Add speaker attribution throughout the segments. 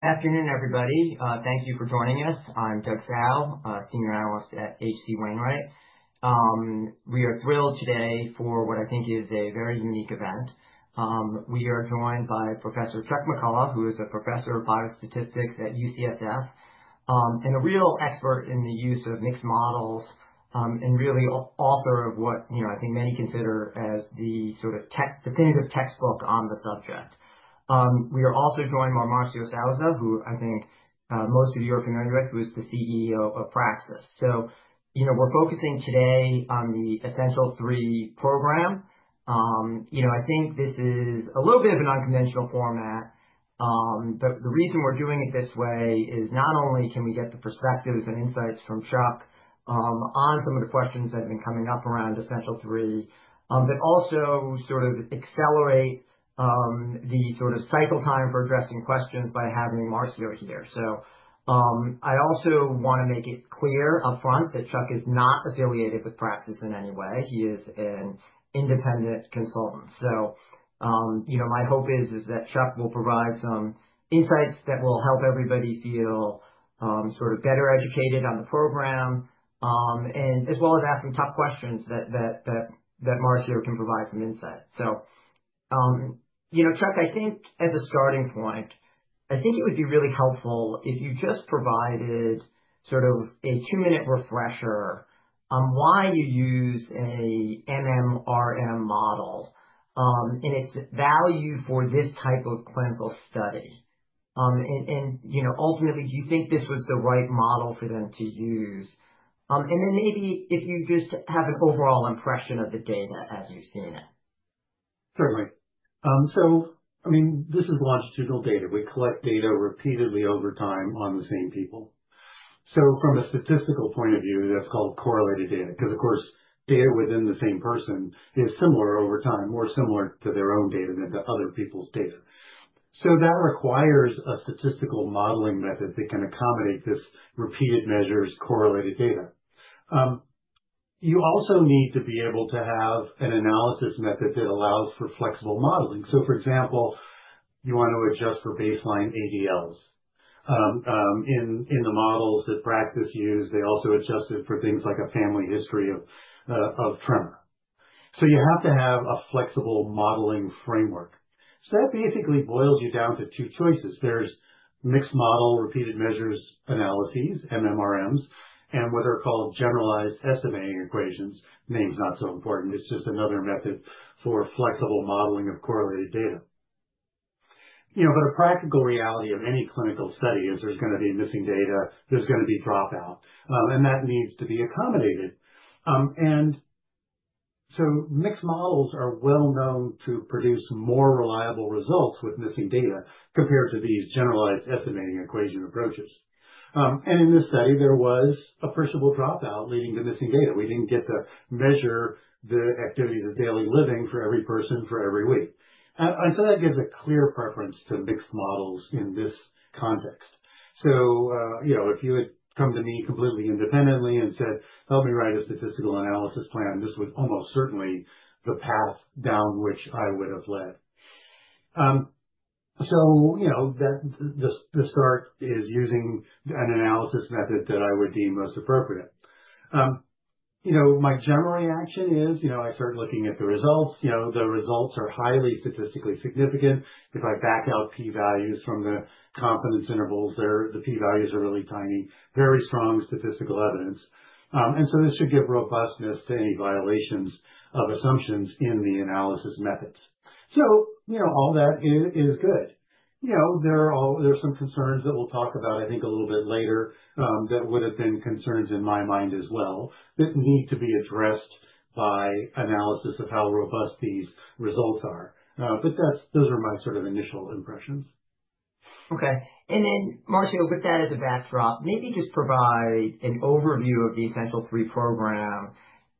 Speaker 1: Afternoon, everybody. Thank you for joining us. I'm Doug Fowle, Senior Analyst at H.C. Wainwright. We are thrilled today for what I think is a very unique event. We are joined by Professor Chuck McCulloch, who is a Professor of Biostatistics at UCSF and a real expert in the use of mixed models and really author of what I think many consider as the sort of definitive textbook on the subject. We are also joined by Marcio Souza, who I think most of you are familiar with, who is the CEO of Praxis. We are focusing today on the Essential Three program. I think this is a little bit of an unconventional format, but the reason we're doing it this way is not only can we get the perspectives and insights from Chuck on some of the questions that have been coming up around Essential Three, but also sort of accelerate the sort of cycle time for addressing questions by having Marcio here. I also want to make it clear upfront that Chuck is not affiliated with Praxis in any way. He is an independent consultant. My hope is that Chuck will provide some insights that will help everybody feel sort of better educated on the program, as well as ask some tough questions that Marcio can provide some insight. Chuck, I think as a starting point, I think it would be really helpful if you just provided sort of a two-minute refresher on why you use an MMRM model and its value for this type of clinical study. Ultimately, do you think this was the right model for them to use? Maybe if you just have an overall impression of the data as you've seen it.
Speaker 2: Certainly. I mean, this is longitudinal data. We collect data repeatedly over time on the same people. From a statistical point of view, that's called correlated data, because of course, data within the same person is similar over time, more similar to their own data than to other people's data. That requires a statistical modeling method that can accommodate this repeated measures correlated data. You also need to be able to have an analysis method that allows for flexible modeling. For example, you want to adjust for baseline ADLs. In the models that Praxis used, they also adjusted for things like a family history of tremor. You have to have a flexible modeling framework. That basically boils you down to two choices. There are mixed model repeated measures analyses, MMRMs, and what are called generalized estimating equations. Name's not so important. It's just another method for flexible modeling of correlated data. A practical reality of any clinical study is there's going to be missing data. There's going to be dropout, and that needs to be accommodated. Mixed models are well known to produce more reliable results with missing data compared to these generalized estimating equation approaches. In this study, there was a perishable dropout leading to missing data. We didn't get to measure the activities of daily living for every person for every week. That gives a clear preference to mixed models in this context. If you had come to me completely independently and said, "Help me write a statistical analysis plan," this was almost certainly the path down which I would have led. The start is using an analysis method that I would deem most appropriate. My general reaction is I start looking at the results. The results are highly statistically significant. If I back out p-values from the confidence intervals, the p-values are really tiny. Very strong statistical evidence. This should give robustness to any violations of assumptions in the analysis methods. All that is good. There are some concerns that we'll talk about, I think, a little bit later that would have been concerns in my mind as well that need to be addressed by analysis of how robust these results are. Those are my sort of initial impressions.
Speaker 1: Okay. Marcio, with that as a backdrop, maybe just provide an overview of the Essential Three program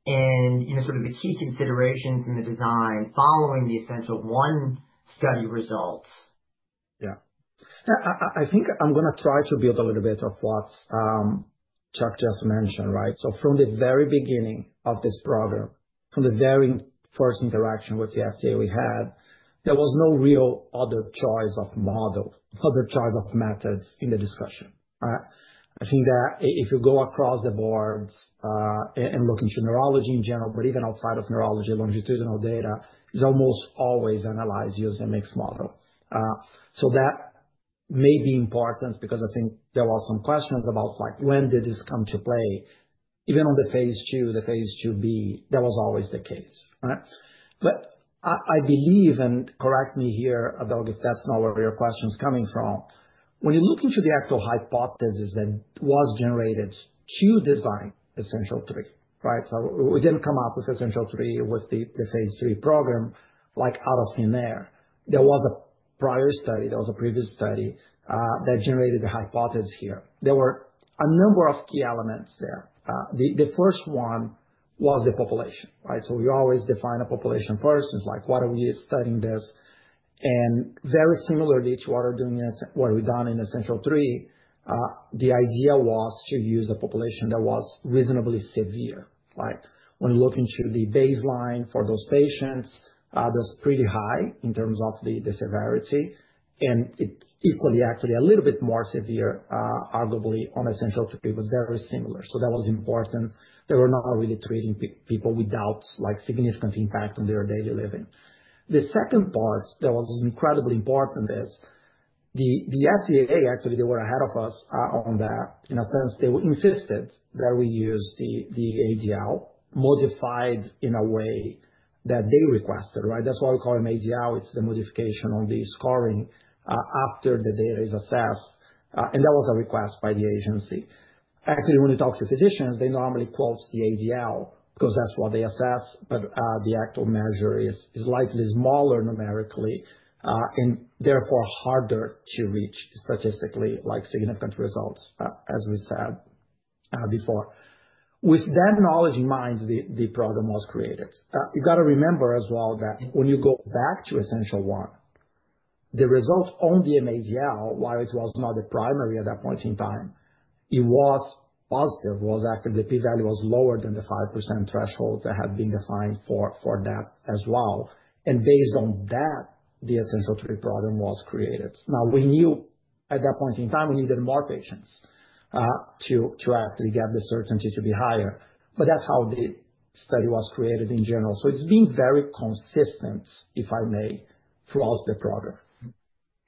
Speaker 1: and sort of the key considerations in the design following the Essential One study results.
Speaker 3: Yeah. I think I'm going to try to build a little bit of what Chuck just mentioned, right? From the very beginning of this program, from the very first interaction with the FDA we had, there was no real other choice of model, other choice of methods in the discussion. I think that if you go across the boards and look into neurology in general, but even outside of neurology, longitudinal data is almost always analyzed using a mixed model. That may be important because I think there were some questions about when did this come to play. Even on the phase II, the phase II-B, that was always the case, right? I believe, and correct me here, Doug, if that's not where your question's coming from, when you look into the actual hypothesis that was generated to design Essential Three, right? We didn't come up with Essential Three with the phase III program out of thin air. There was a prior study. There was a previous study that generated the hypothesis here. There were a number of key elements there. The first one was the population, right? We always define a population first. It's like, why are we studying this? Very similarly to what we're doing in Essential Three, the idea was to use a population that was reasonably severe, right? When you look into the baseline for those patients, that's pretty high in terms of the severity. It's equally, actually, a little bit more severe, arguably, on Essential Three, but very similar. That was important. They were not really treating people without significant impact on their daily living. The second part that was incredibly important is the FDA, actually, they were ahead of us on that. In a sense, they insisted that we use the ADL modified in a way that they requested, right? That's why we call them ADL. It's the modification on the scoring after the data is assessed. And that was a request by the agency. Actually, when you talk to physicians, they normally quote the ADL because that's what they assess, but the actual measure is slightly smaller numerically and therefore harder to reach statistically significant results, as we said before. With that knowledge in mind, the program was created. You got to remember as well that when you go back to Essential One, the results on the MADL, while it was not the primary at that point in time, it was positive. Actually, the p-value was lower than the 5% threshold that had been defined for that as well. Based on that, the Essential Three program was created. Now, we knew at that point in time we needed more patients to actually get the certainty to be higher. That is how the study was created in general. It has been very consistent, if I may, throughout the program.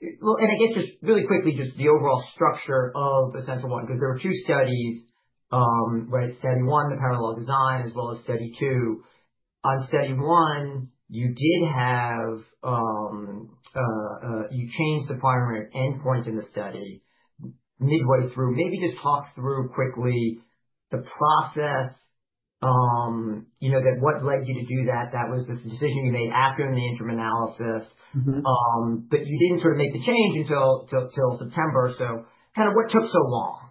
Speaker 1: I guess just really quickly, just the overall structure of Essential One, because there were two studies, right? Study One, the parallel design, as well as Study Two. On Study One, you did have you changed the primary endpoint in the study midway through. Maybe just talk through quickly the process that what led you to do that. That was this decision you made after the interim analysis, but you did not sort of make the change until September. Kind of what took so long?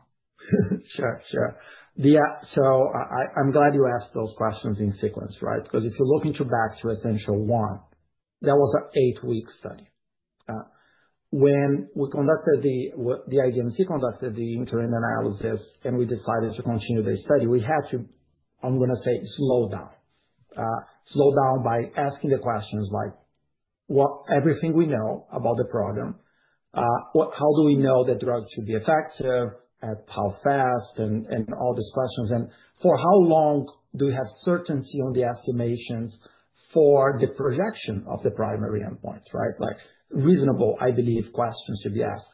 Speaker 3: Sure, sure. I'm glad you asked those questions in sequence, right? If you look back to Essential One, that was an eight-week study. When we conducted the IDMC, conducted the interim analysis, and we decided to continue the study, we had to, I'm going to say, slow down. Slow down by asking the questions like, "What? Everything we know about the program? How do we know the drug to be effective? How fast?" All these questions. For how long do we have certainty on the estimations for the projection of the primary endpoints, right? Reasonable, I believe, questions to be asked.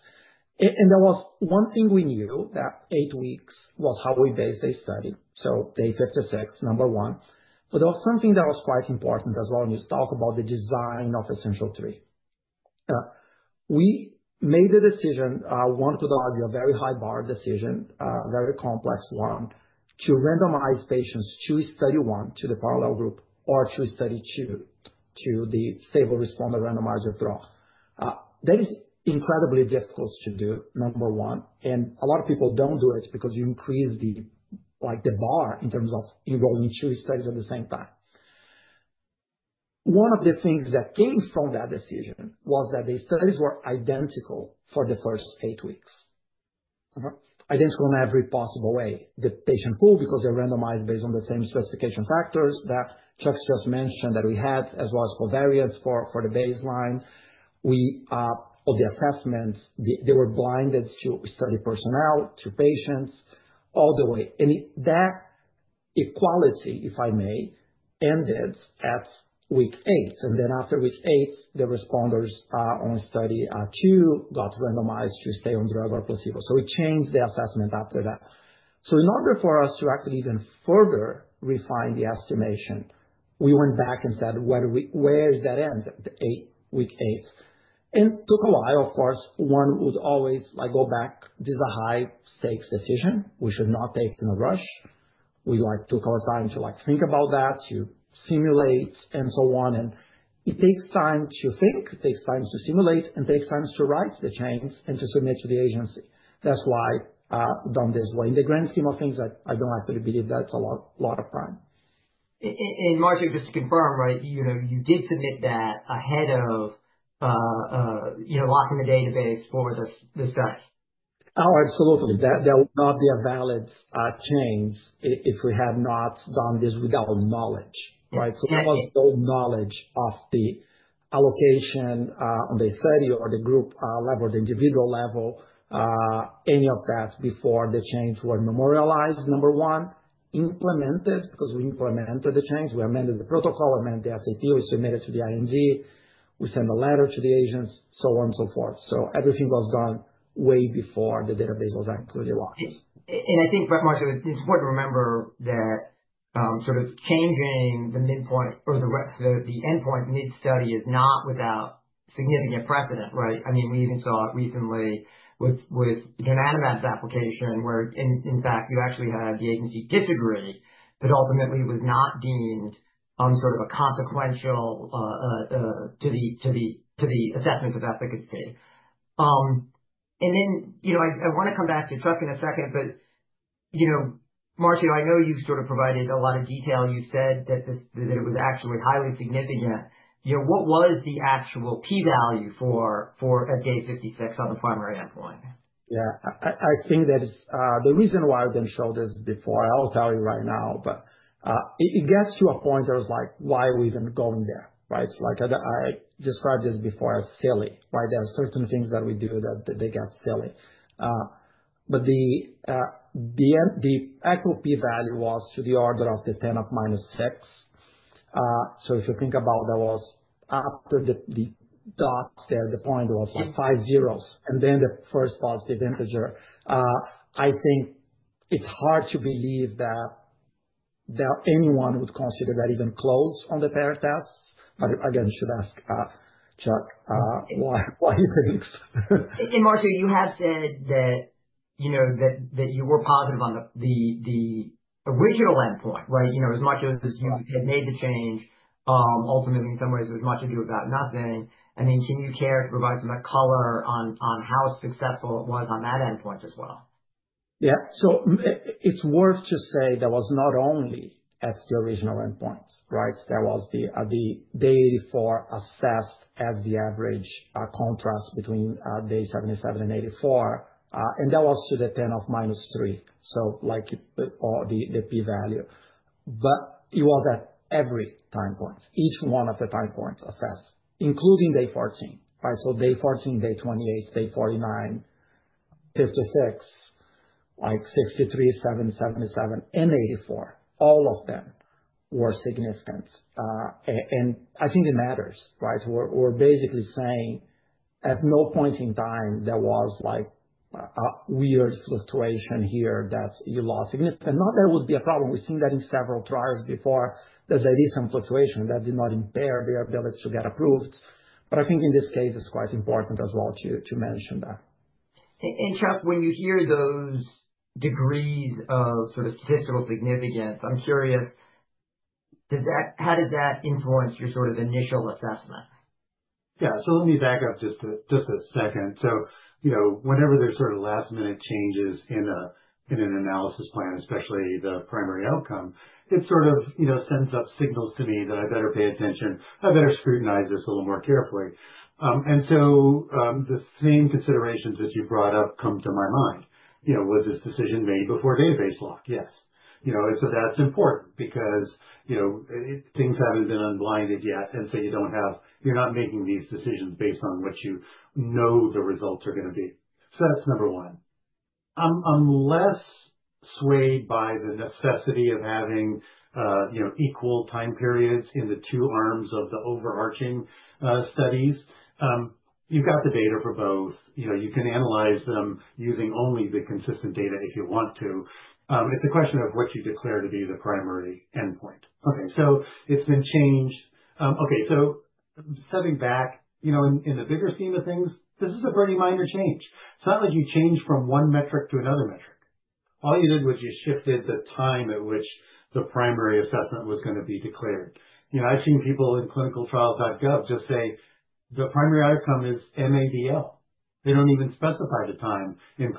Speaker 3: There was one thing we knew, that eight weeks was how we based the study. Day 56, number one. There was something that was quite important as well when you talk about the design of Essential Three. We made the decision, I want to argue, a very high-bar decision, a very complex one, to randomize patients to Study One, to the parallel group, or to Study Two, to the stable responder randomizer draw. That is incredibly difficult to do, number one. A lot of people do not do it because you increase the bar in terms of enrolling two studies at the same time. One of the things that came from that decision was that the studies were identical for the first eight weeks. Identical in every possible way. The patient pool, because they are randomized based on the same specification factors that Chuck's just mentioned that we had, as well as covariates for the baseline. The assessments were blinded to study personnel, to patients, all the way. That equality, if I may, ended at week eight. After week eight, the responders on Study Two got randomized to stay on drug or placebo. We changed the assessment after that. In order for us to actually even further refine the estimation, we went back and said, "Where does that end?" Week eight. It took a while, of course. One would always go back. This is a high-stakes decision. We should not take it in a rush. We took our time to think about that, to simulate, and so on. It takes time to think. It takes time to simulate, and takes time to write the change and to submit to the agency. That is why it is done this way. In the grand scheme of things, I do not actually believe that is a lot of time.
Speaker 1: Marcio, just to confirm, right, you did submit that ahead of locking the database for the study.
Speaker 3: Oh, absolutely. There would not be a valid change if we had not done this without knowledge, right? There was no knowledge of the allocation on the study or the group level or the individual level, any of that before the change was memorialized, number one, implemented, because we implemented the change. We amended the protocol. We amended the FAQ. We submitted to the IND. We sent a letter to the agents, so on and so forth. Everything was done way before the database was actually locked.
Speaker 1: I think, Marcio, it's important to remember that sort of changing the midpoint or the endpoint mid-study is not without significant precedent, right? I mean, we even saw it recently with donanemab's application where, in fact, you actually had the agency disagree, but ultimately it was not deemed sort of a consequential to the assessment of efficacy. I want to come back to Chuck in a second, but Marcio, I know you've sort of provided a lot of detail. You said that it was actually highly significant. What was the actual p-value for at day 56 on the primary endpoint?
Speaker 3: Yeah. I think that the reason why I didn't show this before, I'll tell you right now, but it gets to a point where it's like, "Why are we even going there?" Right? I described this before as silly, right? There are certain things that we do that they get silly. But the actual p-value was to the order of 10 minus six. If you think about that, that was after the dots there, the point was like five zeros and then the first positive integer. I think it's hard to believe that anyone would consider that even close on the pair tests. Again, you should ask Chuck why he thinks.
Speaker 1: Marcio, you have said that you were positive on the original endpoint, right? As much as you had made the change, ultimately, in some ways, it was much ado about nothing. I mean, can you care to provide some color on how successful it was on that endpoint as well?
Speaker 3: Yeah. So it's worth to say there was not only at the original endpoint, right? There was the day 84 assessed as the average contrast between day 77 and 84. And that was to the 10 up minus three, so the p-value. But it was at every time point, each one of the time points assessed, including day 14, right? So day 14, day 28, day 49, 56, like 63, 77, 77, and 84. All of them were significant. I think it matters, right? We're basically saying at no point in time there was a weird fluctuation here that you lost significance. Not that it would be a problem. We've seen that in several trials before that there is some fluctuation that did not impair their ability to get approved. I think in this case, it's quite important as well to mention that.
Speaker 1: Chuck, when you hear those degrees of sort of statistical significance, I'm curious, how does that influence your sort of initial assessment?
Speaker 2: Yeah. Let me back up just a second. Whenever there's sort of last-minute changes in an analysis plan, especially the primary outcome, it sort of sends up signals to me that I better pay attention. I better scrutinize this a little more carefully. The same considerations that you brought up come to my mind. Was this decision made before database lock? Yes. That's important because things haven't been unblinded yet. You don't have, you're not making these decisions based on what you know the results are going to be. That's number one. I'm less swayed by the necessity of having equal time periods in the two arms of the overarching studies. You've got the data for both. You can analyze them using only the consistent data if you want to. It's a question of what you declare to be the primary endpoint. Okay. It's been changed. Okay. Stepping back, in the bigger scheme of things, this is a pretty minor change. It's not like you changed from one metric to another metric. All you did was you shifted the time at which the primary assessment was going to be declared. I've seen people in clinicaltrials.gov just say, "The primary outcome is MADL." They don't even specify the time in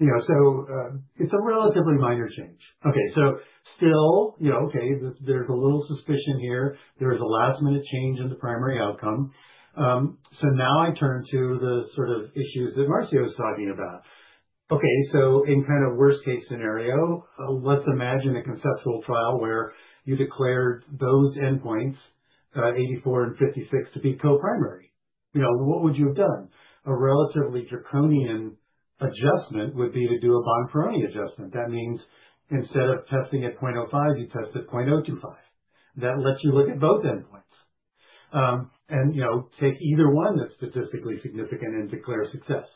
Speaker 2: clinicaltrials.gov. It's a relatively minor change. Okay. Still, there's a little suspicion here. There was a last-minute change in the primary outcome. Now I turn to the sort of issues that Marcio was talking about. In kind of worst-case scenario, let's imagine a conceptual trial where you declared those endpoints, 84 and 56, to be coprimary. What would you have done? A relatively draconian adjustment would be to do a Bonferroni adjustment. That means instead of testing at 0.05, you test at 0.025. That lets you look at both endpoints and take either one that's statistically significant and declare success.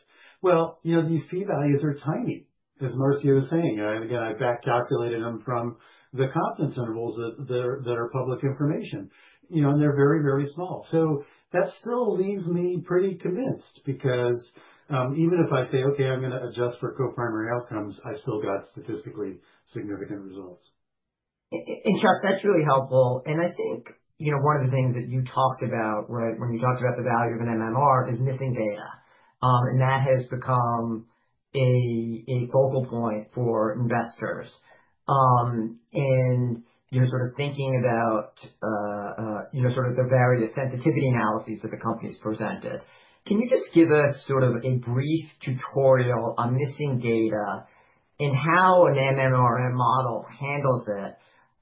Speaker 2: These p-values are tiny, as Marcio was saying. Again, I back-calculated them from the confidence intervals that are public information. They are very, very small. That still leaves me pretty convinced because even if I say, "Okay, I'm going to adjust for coprimary outcomes," I've still got statistically significant results.
Speaker 1: Chuck, that's really helpful. I think one of the things that you talked about, right, when you talked about the value of an MMRM is missing data. That has become a focal point for investors. You're sort of thinking about the various sensitivity analyses that the company's presented. Can you just give us a brief tutorial on missing data and how an MMRM model handles it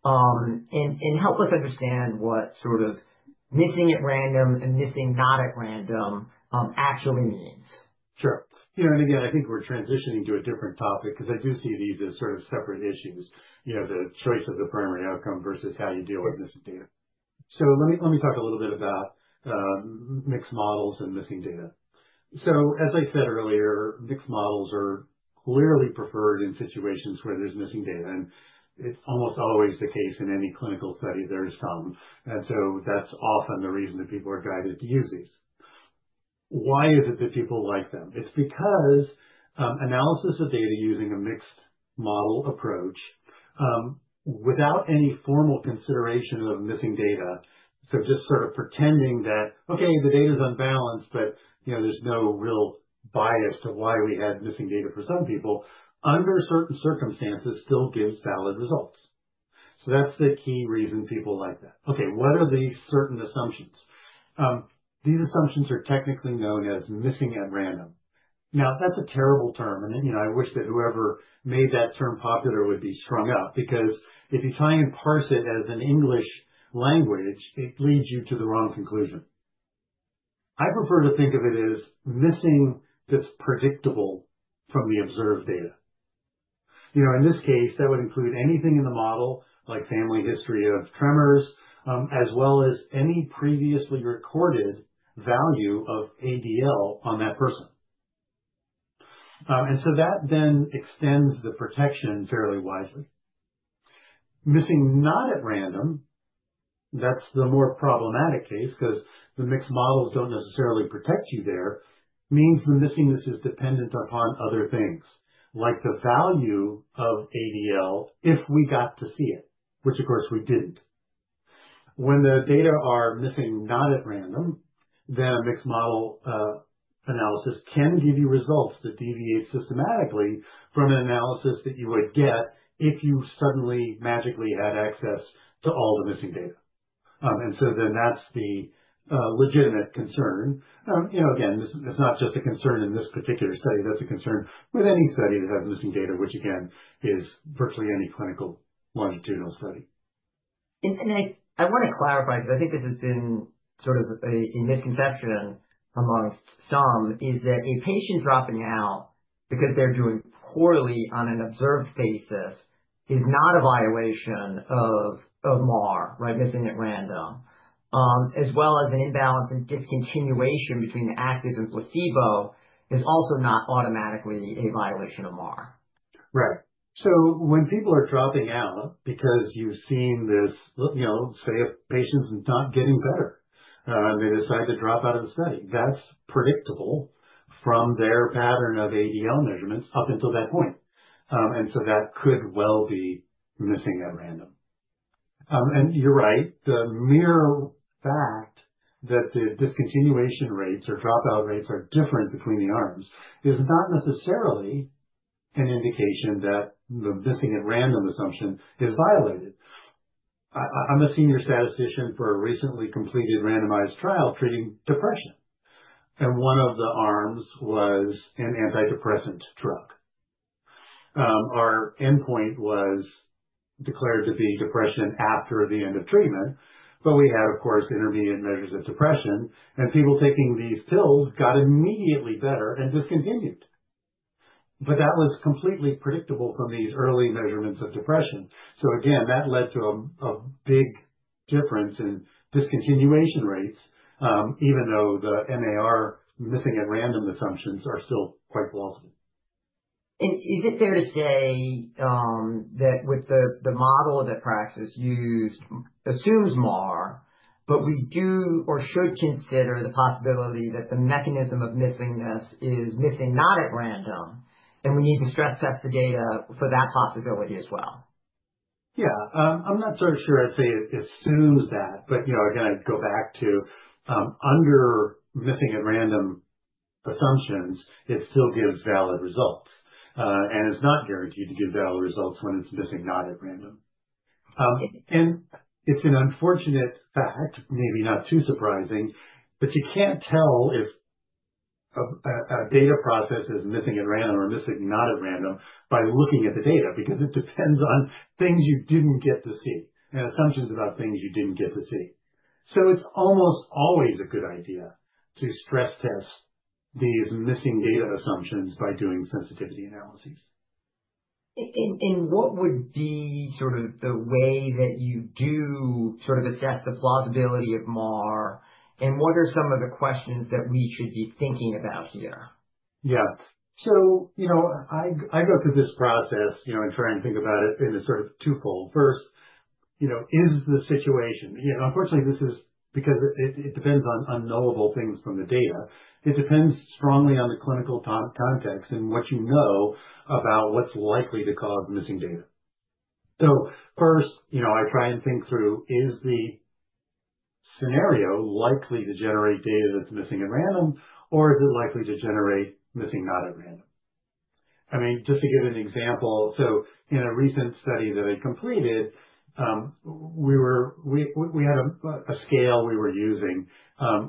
Speaker 1: and help us understand what missing at random and missing not at random actually means?
Speaker 2: Sure. Again, I think we're transitioning to a different topic because I do see these as sort of separate issues, the choice of the primary outcome versus how you deal with missing data. Let me talk a little bit about mixed models and missing data. As I said earlier, mixed models are clearly preferred in situations where there's missing data. It's almost always the case in any clinical study. There is some. That's often the reason that people are guided to use these. Why is it that people like them? It's because analysis of data using a mixed model approach without any formal consideration of missing data, so just sort of pretending that, "Okay, the data is unbalanced, but there's no real bias to why we had missing data for some people," under certain circumstances still gives valid results. That's the key reason people like that. Okay. What are these certain assumptions? These assumptions are technically known as missing at random. Now, that's a terrible term. I wish that whoever made that term popular would be strung up because if you try and parse it as an English language, it leads you to the wrong conclusion. I prefer to think of it as missing that's predictable from the observed data. In this case, that would include anything in the model, like family history of tremors, as well as any previously recorded value of ADL on that person. That then extends the protection fairly widely. Missing not at random, that's the more problematic case because the mixed models don't necessarily protect you there, means the missingness is dependent upon other things, like the value of ADL if we got to see it, which, of course, we didn't. When the data are missing not at random, then a mixed model analysis can give you results that deviate systematically from an analysis that you would get if you suddenly magically had access to all the missing data. That is the legitimate concern. Again, it's not just a concern in this particular study. That's a concern with any study that has missing data, which, again, is virtually any clinical longitudinal study.
Speaker 1: I want to clarify because I think this has been sort of a misconception amongst some is that a patient dropping out because they're doing poorly on an observed basis is not a violation of MAR, right, missing at random, as well as an imbalance in discontinuation between the active and placebo is also not automatically a violation of MAR.
Speaker 2: Right. When people are dropping out because you've seen this, say, a patient's not getting better, and they decide to drop out of the study, that's predictable from their pattern of ADL measurements up until that point. That could well be missing at random. You're right. The mere fact that the discontinuation rates or dropout rates are different between the arms is not necessarily an indication that the missing at random assumption is violated. I'm a senior statistician for a recently completed randomized trial treating depression. One of the arms was an antidepressant drug. Our endpoint was declared to be depression after the end of treatment. We had, of course, intermediate measures of depression. People taking these pills got immediately better and discontinued. That was completely predictable from these early measurements of depression. That led to a big difference in discontinuation rates, even though the MAR missing at random assumptions are still quite plausible.
Speaker 1: Is it fair to say that with the model that Praxis used assumes MAR, but we do or should consider the possibility that the mechanism of missingness is missing not at random, and we need to stress test the data for that possibility as well?
Speaker 2: Yeah. I'm not so sure I'd say it assumes that. Again, I'd go back to under missing at random assumptions, it still gives valid results. It's not guaranteed to give valid results when it's missing not at random. It's an unfortunate fact, maybe not too surprising, but you can't tell if a data process is missing at random or missing not at random by looking at the data because it depends on things you didn't get to see and assumptions about things you didn't get to see. It's almost always a good idea to stress test these missing data assumptions by doing sensitivity analyses.
Speaker 1: What would be sort of the way that you do sort of assess the plausibility of MAR? What are some of the questions that we should be thinking about here?
Speaker 2: Yeah. I go through this process and try and think about it in a sort of twofold. First, is the situation? Unfortunately, this is because it depends on knowable things from the data. It depends strongly on the clinical context and what you know about what's likely to cause missing data. First, I try and think through, is the scenario likely to generate data that's missing at random, or is it likely to generate missing not at random? I mean, just to give an example, in a recent study that I completed, we had a scale we were using.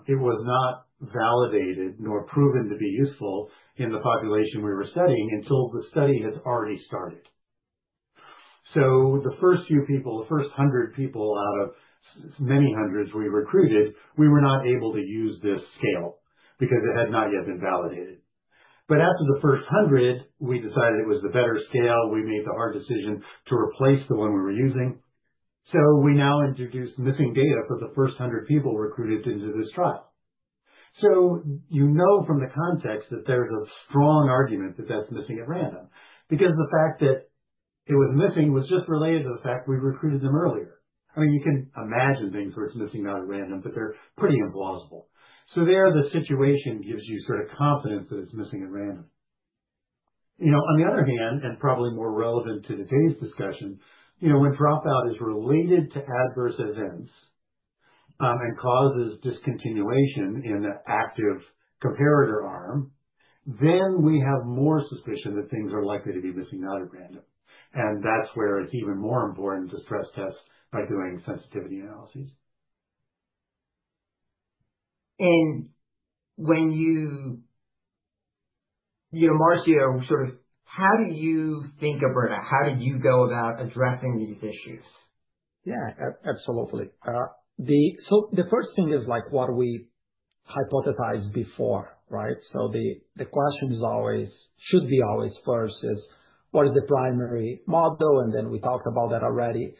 Speaker 2: It was not validated nor proven to be useful in the population we were studying until the study had already started. The first few people, the first 100 people out of many hundreds we recruited, we were not able to use this scale because it had not yet been validated. After the first 100, we decided it was the better scale. We made the hard decision to replace the one we were using. We now introduced missing data for the first 100 people recruited into this trial. You know from the context that there is a strong argument that that is missing at random because the fact that it was missing was just related to the fact we recruited them earlier. I mean, you can imagine things where it is missing not at random, but they are pretty implausible. There, the situation gives you sort of confidence that it is missing at random. On the other hand, and probably more relevant to today's discussion, when dropout is related to adverse events and causes discontinuation in the active comparator arm, we have more suspicion that things are likely to be missing not at random. That is where it is even more important to stress test by doing sensitivity analyses.
Speaker 1: Marcio, sort of how do you think about how did you go about addressing these issues?
Speaker 3: Yeah, absolutely. The first thing is like what we hypothesized before, right? The question should be always first is, what is the primary model? We talked about that already.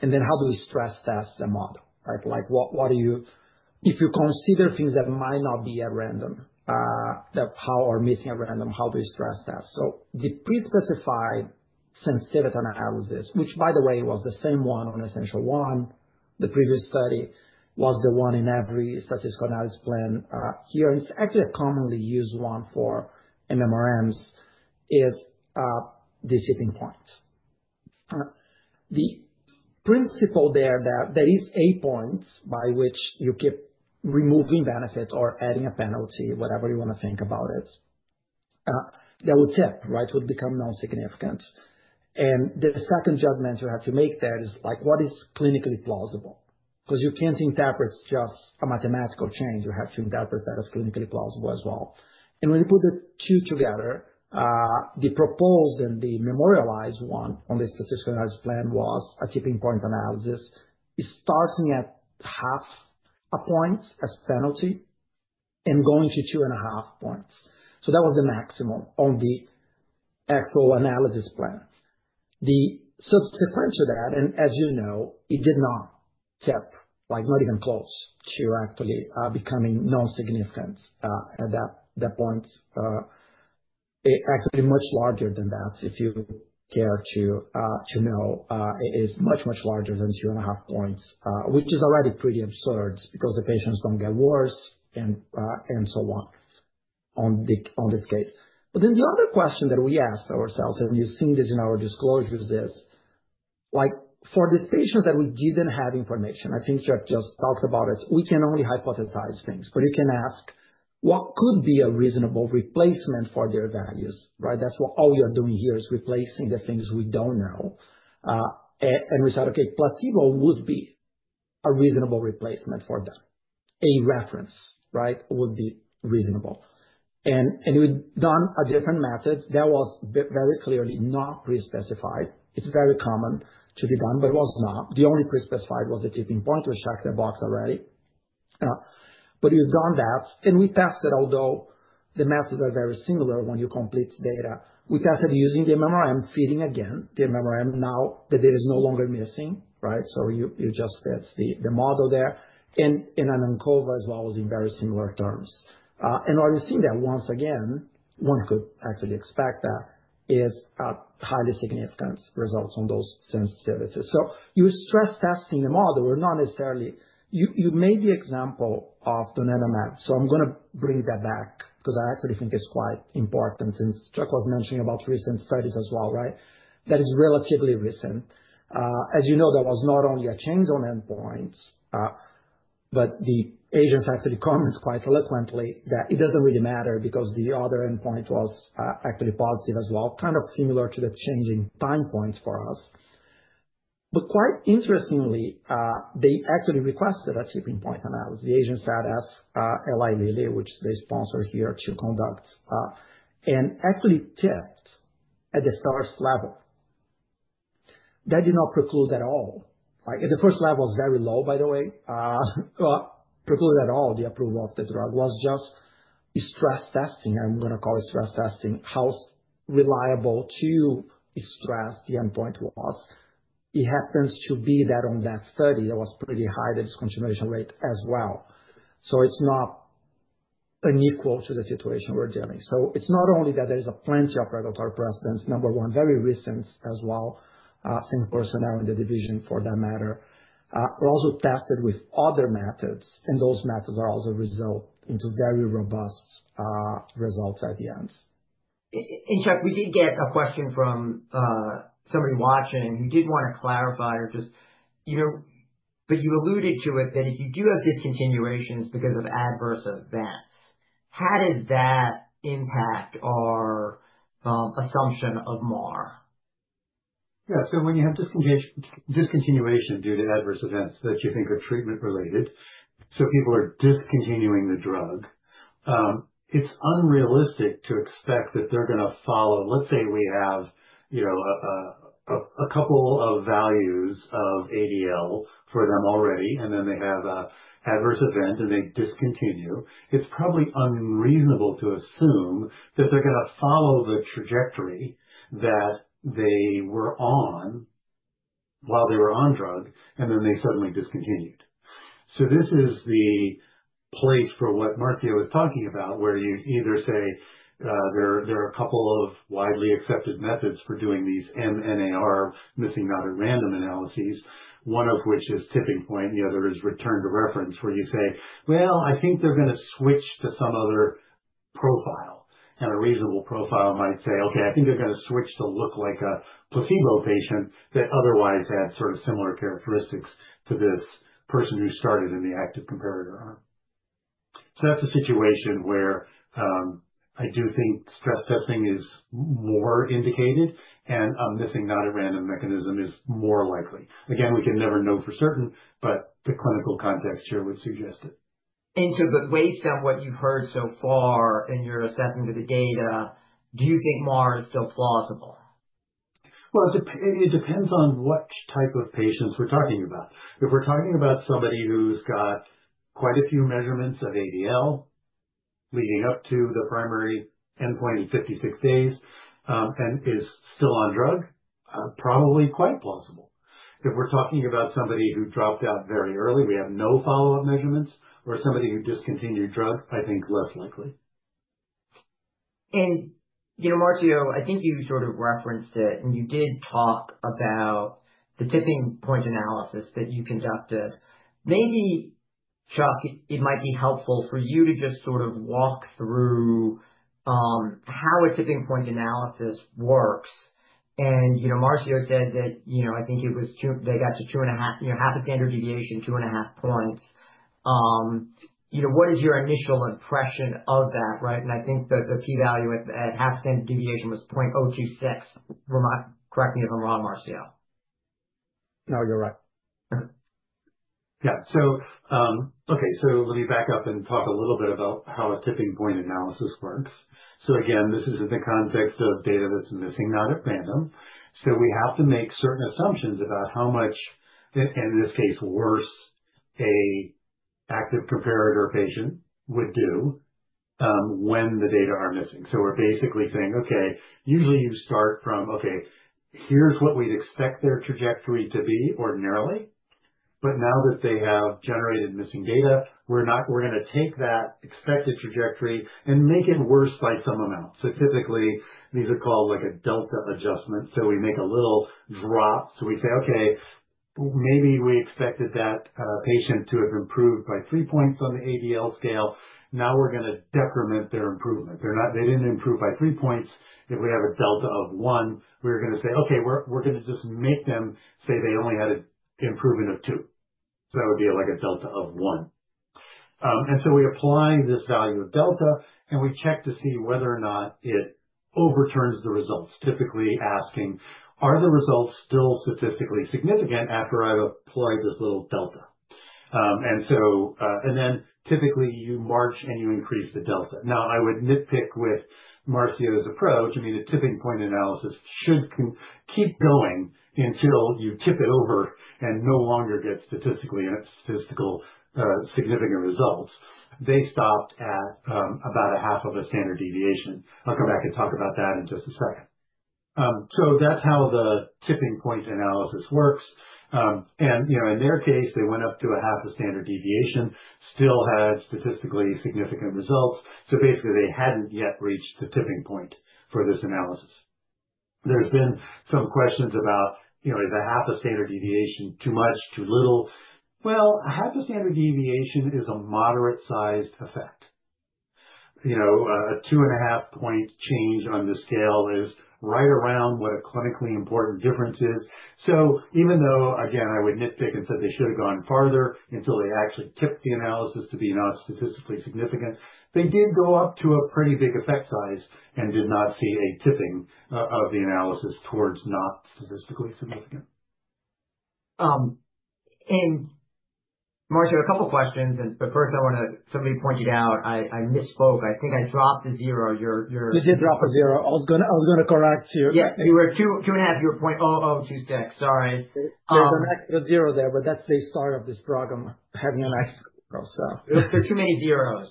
Speaker 3: How do we stress test the model, right? If you consider things that might not be at random, that are missing at random, how do you stress test? The pre-specified sensitivity analysis, which, by the way, was the same one on Essential One, the previous study, was the one in every statistical analysis plan here. It's actually a commonly used one for MMRMs, the tipping point. The principle there is that there is a point by which you keep removing benefits or adding a penalty, whatever you want to think about it, that would tip, right, would become non-significant. The second judgment you have to make there is like, what is clinically plausible? Because you can't interpret just a mathematical change. You have to interpret that as clinically plausible as well. When you put the two together, the proposed and the memorialized one on the statistical analysis plan was a tipping point analysis. It starts at half a point as penalty and going to two and a half points. That was the maximum on the actual analysis plan. Subsequent to that, and as you know, it did not tip, not even close to actually becoming non-significant at that point. It's actually much larger than that, if you care to know. It is much, much larger than two and a half points, which is already pretty absurd because the patients don't get worse and so on in this case. The other question that we asked ourselves, and you've seen this in our disclosures, is for these patients that we didn't have information, I think Jeff just talked about it, we can only hypothesize things. You can ask, what could be a reasonable replacement for their values, right? That's what all we are doing here is replacing the things we don't know. We said, okay, placebo would be a reasonable replacement for that. A reference, right, would be reasonable. We've done a different method that was very clearly not pre-specified. It's very common to be done, but it was not. The only pre-specified was the tipping point, which I can box already. We've done that. We tested, although the methods are very similar when you complete the data, we tested using the MMRM, feeding again the MMRM now that it is no longer missing, right? You just fit the model there and in an encode as well as in very similar terms. While you've seen that once again, one could actually expect that is highly significant results on those sensitivities. You're stress testing the model or not necessarily. You made the example of donanemab. I'm going to bring that back because I actually think it's quite important. Jeff was mentioning about recent studies as well, right? That is relatively recent. As you know, there was not only a change on endpoints, but the agents actually comment quite eloquently that it doesn't really matter because the other endpoint was actually positive as well, kind of similar to the changing time points for us. Quite interestingly, they actually requested a tipping point analysis. The agents had asked Eli Lilly, which is the sponsor here, to conduct, and actually tipped at the first level. That did not preclude at all. The first level was very low, by the way. Preclude at all the approval of the drug was just stress testing. I'm going to call it stress testing how reliable to stress the endpoint was. It happens to be that on that study, it was pretty high, the discontinuation rate as well. It is not unequal to the situation we're dealing. It is not only that there is plenty of predatory precedents, number one, very recent as well, same personnel in the division for that matter. We also tested with other methods, and those methods are also resulting into very robust results at the end.
Speaker 1: Jeff, we did get a question from somebody watching who did want to clarify or just, but you alluded to it that if you do have discontinuations because of adverse events, how does that impact our assumption of MAR?
Speaker 2: Yeah. When you have discontinuation due to adverse events that you think are treatment-related, so people are discontinuing the drug, it's unrealistic to expect that they're going to follow. Let's say we have a couple of values of ADL for them already, and then they have an adverse event, and they discontinue. It's probably unreasonable to assume that they're going to follow the trajectory that they were on while they were on drug, and then they suddenly discontinued. This is the place for what Marcio was talking about, where you either say there are a couple of widely accepted methods for doing these MNAR, missing not at random analyses, one of which is tipping point, and the other is return to reference, where you say, I think they're going to switch to some other profile. A reasonable profile might say, okay, I think they're going to switch to look like a placebo patient that otherwise had sort of similar characteristics to this person who started in the active comparator arm. That is a situation where I do think stress testing is more indicated, and a missing not at random mechanism is more likely. Again, we can never know for certain, but the clinical context here would suggest it.
Speaker 1: Jeff, based on what you've heard so far in your assessment of the data, do you think MAR is still plausible?
Speaker 2: It depends on what type of patients we're talking about. If we're talking about somebody who's got quite a few measurements of ADL leading up to the primary endpoint in 56 days and is still on drug, probably quite plausible. If we're talking about somebody who dropped out very early, we have no follow-up measurements, or somebody who discontinued drug, I think less likely.
Speaker 1: Marcio, I think you sort of referenced it, and you did talk about the tipping point analysis that you conducted. Maybe, Chuck, it might be helpful for you to just sort of walk through how a tipping point analysis works. Marcio said that I think it was they got to half a standard deviation, two and a half points. What is your initial impression of that, right? I think the p-value at half standard deviation was 0.026. Correct me if I'm wrong, Marcio.
Speaker 2: No, you're right. Yeah. Okay, let me back up and talk a little bit about how a tipping point analysis works. Again, this is in the context of data that's missing not at random. We have to make certain assumptions about how much, and in this case, worse, an active comparator patient would do when the data are missing. We're basically saying, okay, usually you start from, okay, here's what we'd expect their trajectory to be ordinarily. Now that they have generated missing data, we're going to take that expected trajectory and make it worse by some amount. Typically, these are called like a delta adjustment. We make a little drop. We say, okay, maybe we expected that patient to have improved by three points on the ADL scale. Now we're going to decrement their improvement. They didn't improve by three points. If we have a delta of one, we're going to say, okay, we're going to just make them say they only had an improvement of two. That would be like a delta of one. We apply this value of delta, and we check to see whether or not it overturns the results, typically asking, are the results still statistically significant after I've applied this little delta? Typically, you march and you increase the delta. I would nitpick with Marcio's approach. I mean, the tipping point analysis should keep going until you tip it over and no longer get statistically significant results. They stopped at about a half of a standard deviation. I'll come back and talk about that in just a second. That's how the tipping point analysis works. In their case, they went up to a half a standard deviation, still had statistically significant results. Basically, they had not yet reached the tipping point for this analysis. There have been some questions about, is a half a standard deviation too much, too little? A half a standard deviation is a moderate-sized effect. A two and a half point change on the scale is right around what a clinically important difference is. Even though, again, I would nitpick and say they should have gone farther until they actually tipped the analysis to be not statistically significant, they did go up to a pretty big effect size and did not see a tipping of the analysis towards not statistically significant.
Speaker 1: Marcio, a couple of questions. First, I want to—somebody pointed out I misspoke. I think I dropped a zero.
Speaker 3: You did drop a zero. I was going to correct you.
Speaker 1: Yeah. You were two and a half. You were 0.0026. Sorry.
Speaker 3: There's an extra zero there, but that's the start of this program, having an extra zero, so.
Speaker 1: There are too many zeros.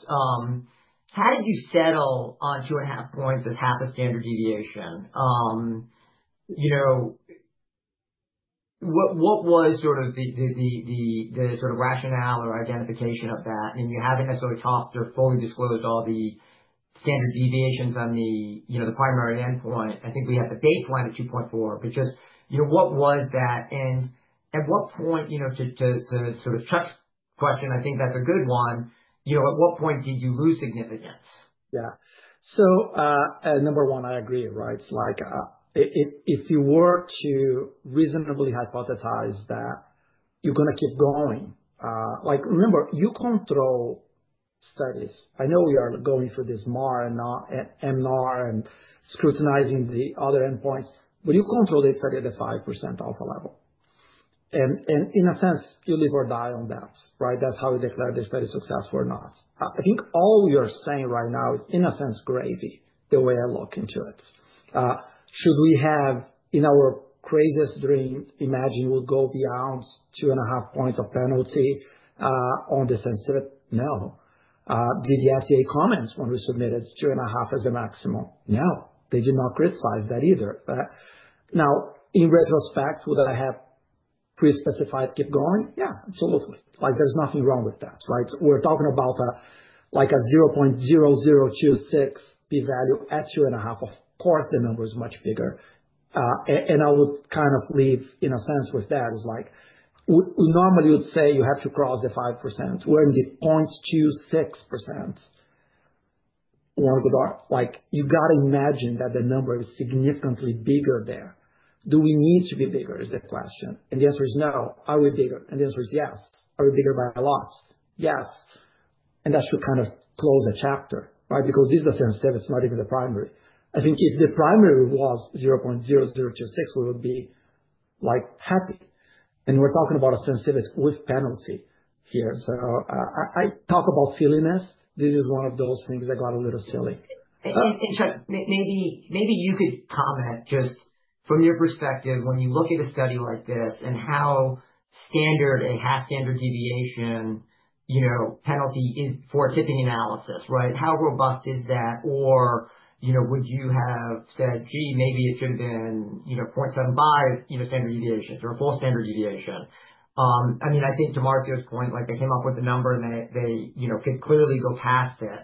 Speaker 1: How did you settle on two and a half points as half a standard deviation? What was sort of the sort of rationale or identification of that? I mean, you haven't necessarily talked or fully disclosed all the standard deviations on the primary endpoint. I think we had the baseline at 2.4, but just what was that? And at what point, to sort of Chuck's question, I think that's a good one. At what point did you lose significance?
Speaker 3: Yeah. Number one, I agree, right? If you were to reasonably hypothesize that you're going to keep going, remember, you control studies. I know we are going through this MAR and MNAR and scrutinizing the other endpoints, but you control the study at the 5% alpha level. In a sense, you live or die on that, right? That's how you declare the study successful or not. I think all we are saying right now is, in a sense, gravy, the way I look into it. Should we have, in our craziest dream, imagined we'll go beyond two and a half points of penalty on the sensitivity? No. Did the FDA comment when we submitted two and a half as the maximum? No. They did not criticize that either. Now, in retrospect, would I have pre-specified keep going? Yeah, absolutely. There's nothing wrong with that, right? We're talking about a 0.0026 p-value at two and a half. Of course, the number is much bigger. I would kind of leave in a sense with that. It's like we normally would say you have to cross the 5%. We're in the 0.26%. You got to imagine that the number is significantly bigger there. Do we need to be bigger is the question. The answer is no. Are we bigger? The answer is yes. Are we bigger by a lot? Yes. That should kind of close a chapter, right? This is a sensitivity. It's not even the primary. I think if the primary was 0.0026, we would be happy. We're talking about a sensitivity with penalty here. I talk about silliness. This is one of those things that got a little silly.
Speaker 1: Chuck, maybe you could comment just from your perspective when you look at a study like this and how standard a half standard deviation penalty for a tipping analysis, right? How robust is that? Or would you have said, gee, maybe it should have been 0.75 standard deviation or a full standard deviation? I mean, I think to Marcio's point, they came up with a number, and they could clearly go past it.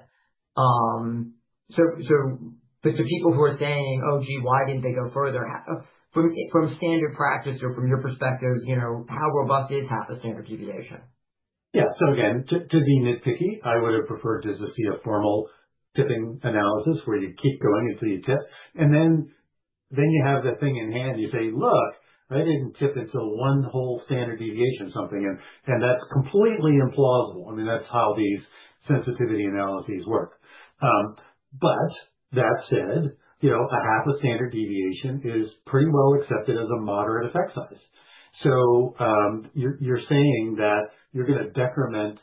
Speaker 1: To people who are saying, oh, gee, why didn't they go further? From standard practice or from your perspective, how robust is half a standard deviation?
Speaker 2: Yeah. So again, to be nitpicky, I would have preferred to just see a formal tipping analysis where you keep going until you tip. Then you have the thing in hand. You say, look, I did not tip until one whole standard deviation something. I mean, that is how these sensitivity analyses work. That said, a half a standard deviation is pretty well accepted as a moderate effect size. You are saying that you are going to decrement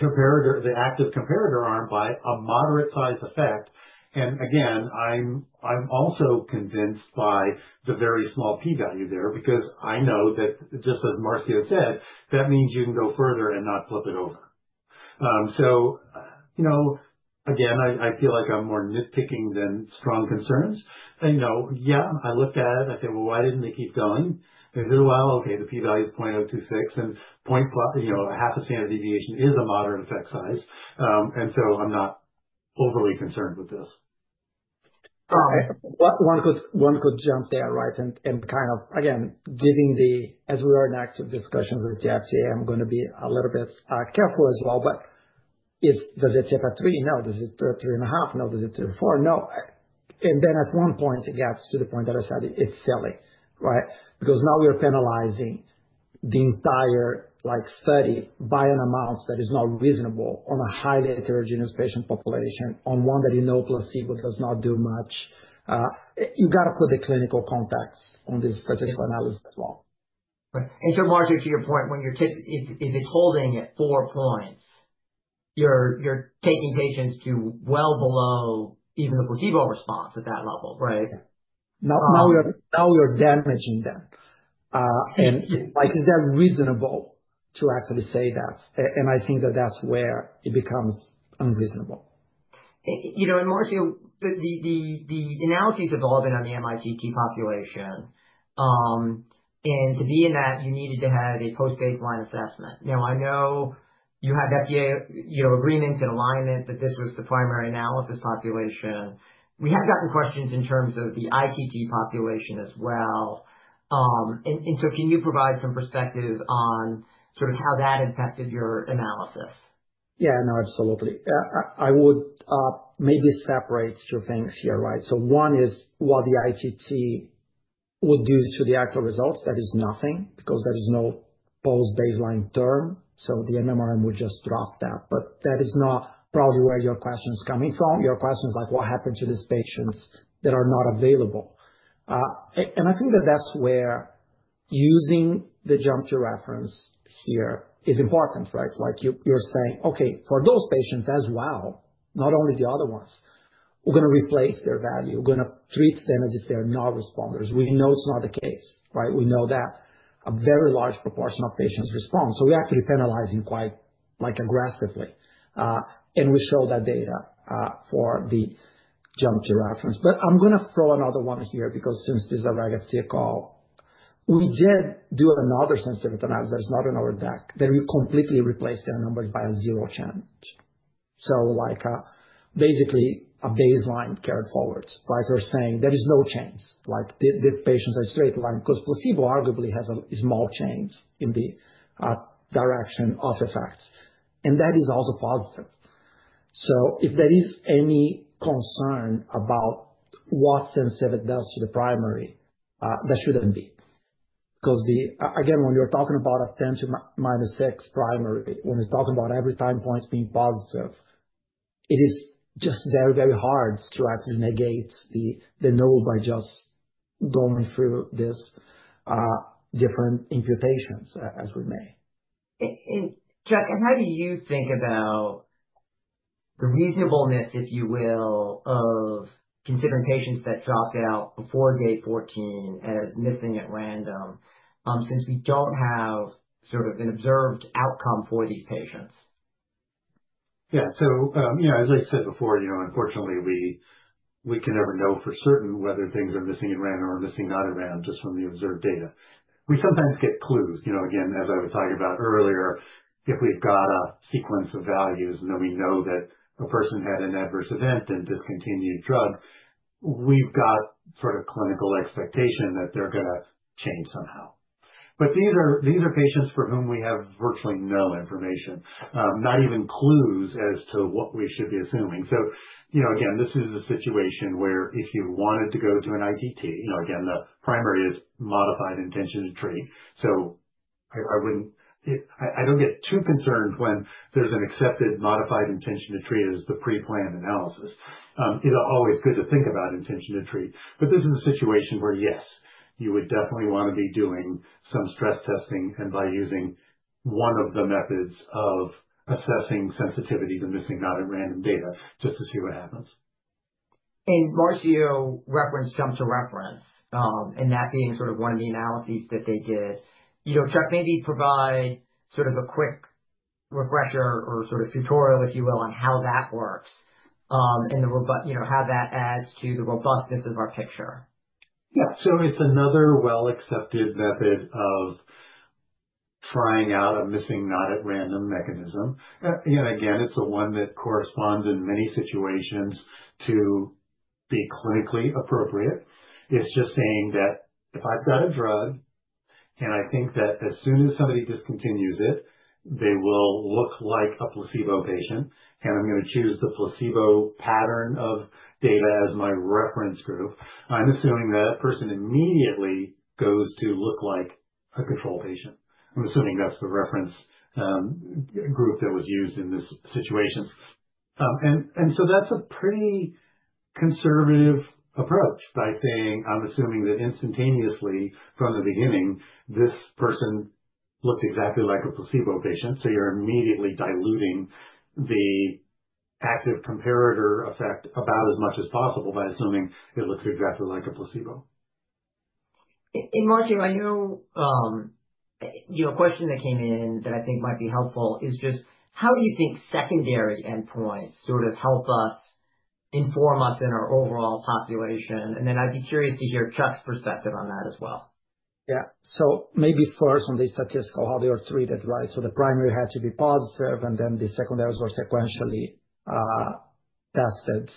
Speaker 2: the active comparator arm by a moderate-sized effect. I am also convinced by the very small p-value there because I know that just as Marcio said, that means you can go further and not flip it over. I feel like I am more nitpicking than strong concerns. Yeah, I looked at it. I said, why did not they keep going? Okay, the P-value is 0.026, and a half a standard deviation is a moderate effect size. I am not overly concerned with this.
Speaker 3: One could jump there, right? And kind of, again, giving the, as we are in active discussions with the FDA, I'm going to be a little bit careful as well. Does it tip at three? No. Does it tip at three and a half? No. Does it tip at four? No. At one point, it gets to the point that I said it's silly, right? Because now we're penalizing the entire study by an amount that is not reasonable on a highly heterogeneous patient population, on one that you know placebo does not do much. You got to put the clinical context on this specific analysis as well.
Speaker 1: Marcio, to your point, if it's holding at four points, you're taking patients to well below even the placebo response at that level, right?
Speaker 3: Now you're damaging them. Is that reasonable to actually say that? I think that that's where it becomes unreasonable.
Speaker 1: Marcio, the analyses have all been on the MITT population. To be in that, you needed to have a post-baseline assessment. I know you had FDA agreement and alignment that this was the primary analysis population. We have gotten questions in terms of the ITT population as well. Can you provide some perspective on sort of how that impacted your analysis?
Speaker 3: Yeah, no, absolutely. I would maybe separate two things here, right? One is what the ITT would do to the actual results. That is nothing because there is no post-baseline term. The MNRM would just drop that. That is not probably where your question is coming from. Your question is like, what happened to these patients that are not available? I think that is where using the jump to reference here is important, right? You're saying, okay, for those patients as well, not only the other ones, we're going to replace their value. We're going to treat them as if they're not responders. We know it's not the case, right? We know that a very large proportion of patients respond. We actually penalize them quite aggressively. We show that data for the jump to reference. I'm going to throw another one here because since this is a Raghav Tircol, we did do another sensitivity analysis that is not in our deck, that we completely replaced their numbers by a zero change. Basically, a baseline carried forward, right? We're saying there is no change. These patients are straight line because placebo arguably has small changes in the direction of effects. That is also positive. If there is any concern about what sensitivity does to the primary, that should not be. Again, when you're talking about a 10 to the minus six primary, when you're talking about every time point being positive, it is just very, very hard to actually negate the null by just going through these different imputations, as we may.
Speaker 1: Chuck, and how do you think about the reasonableness, if you will, of considering patients that dropped out before day 14 as missing at random since we do not have sort of an observed outcome for these patients?
Speaker 2: Yeah. As I said before, unfortunately, we can never know for certain whether things are missing at random or missing not at random just from the observed data. We sometimes get clues. Again, as I was talking about earlier, if we've got a sequence of values and then we know that a person had an adverse event and discontinued drug, we've got sort of clinical expectation that they're going to change somehow. These are patients for whom we have virtually no information, not even clues as to what we should be assuming. This is a situation where if you wanted to go to an ITT, again, the primary is modified intention to treat. I don't get too concerned when there's an accepted modified intention to treat as the pre-planned analysis. It's always good to think about intention to treat. This is a situation where, yes, you would definitely want to be doing some stress testing and by using one of the methods of assessing sensitivity to missing not at random data just to see what happens.
Speaker 1: Marcio referenced jump to reference and that being sort of one of the analyses that they did. Chuck, maybe provide sort of a quick refresher or sort of tutorial, if you will, on how that works and how that adds to the robustness of our picture.
Speaker 2: Yeah. It is another well-accepted method of trying out a missing not at random mechanism. Again, it is the one that corresponds in many situations to be clinically appropriate. It is just saying that if I have got a drug and I think that as soon as somebody discontinues it, they will look like a placebo patient, and I am going to choose the placebo pattern of data as my reference group, I am assuming that person immediately goes to look like a control patient. I am assuming that is the reference group that was used in this situation. That is a pretty conservative approach by saying I am assuming that instantaneously from the beginning, this person looked exactly like a placebo patient. You are immediately diluting the active comparator effect about as much as possible by assuming it looks exactly like a placebo.
Speaker 1: Marcio, I know you have a question that came in that I think might be helpful. How do you think secondary endpoints sort of help us inform us in our overall population? I would be curious to hear Chuck's perspective on that as well.
Speaker 3: Yeah. Maybe first on the statistical, how they were treated, right? The primary had to be positive, and then the secondaries were sequentially tested.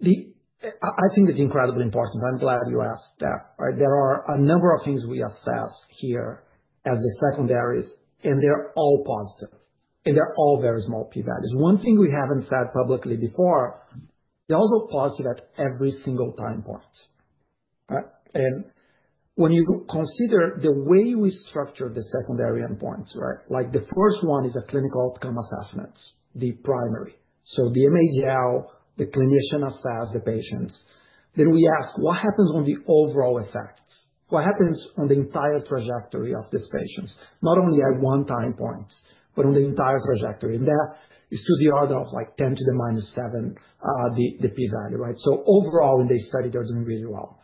Speaker 3: I think it's incredibly important. I'm glad you asked that, right? There are a number of things we assess here as the secondaries, and they're all positive. They're all very small p-values. One thing we haven't said publicly before, they're also positive at every single time point. When you consider the way we structure the secondary endpoints, right? The first one is a clinical outcome assessment, the primary. The MADL, the clinician assesses the patients. Then we ask, what happens on the overall effect? What happens on the entire trajectory of these patients, not only at one time point, but on the entire trajectory? That is to the order of like 10 to the minus seven, the P-value, right? Overall, in this study, they're doing really well.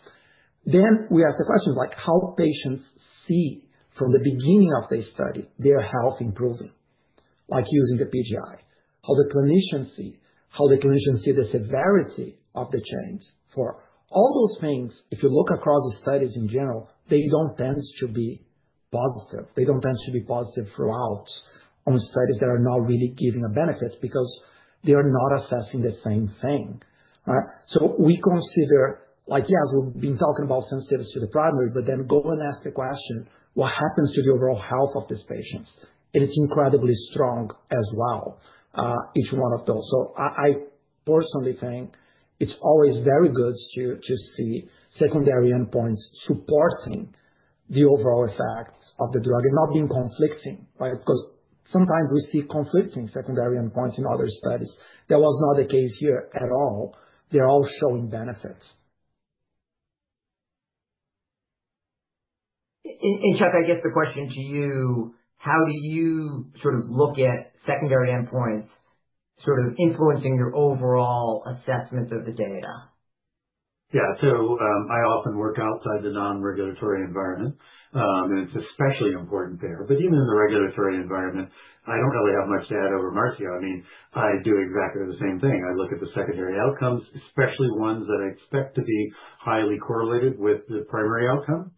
Speaker 3: We ask the question of how patients see from the beginning of this study, their health improving, like using the PGI, how the clinicians see, how the clinicians see the severity of the change. For all those things, if you look across the studies in general, they do not tend to be positive. They do not tend to be positive throughout on studies that are not really giving a benefit because they are not assessing the same thing, right? We consider, yes, we have been talking about sensitivity to the primary, but then go and ask the question, what happens to the overall health of these patients? It is incredibly strong as well, each one of those. I personally think it is always very good to see secondary endpoints supporting the overall effects of the drug and not being conflicting, right? Because sometimes we see conflicting secondary endpoints in other studies. That was not the case here at all. They're all showing benefits.
Speaker 1: Chuck, I guess the question to you, how do you sort of look at secondary endpoints sort of influencing your overall assessment of the data?
Speaker 2: Yeah. I often work outside the non-regulatory environment. It's especially important there. Even in the regulatory environment, I don't really have much to add over Marcio. I mean, I do exactly the same thing. I look at the secondary outcomes, especially ones that I expect to be highly correlated with the primary outcome.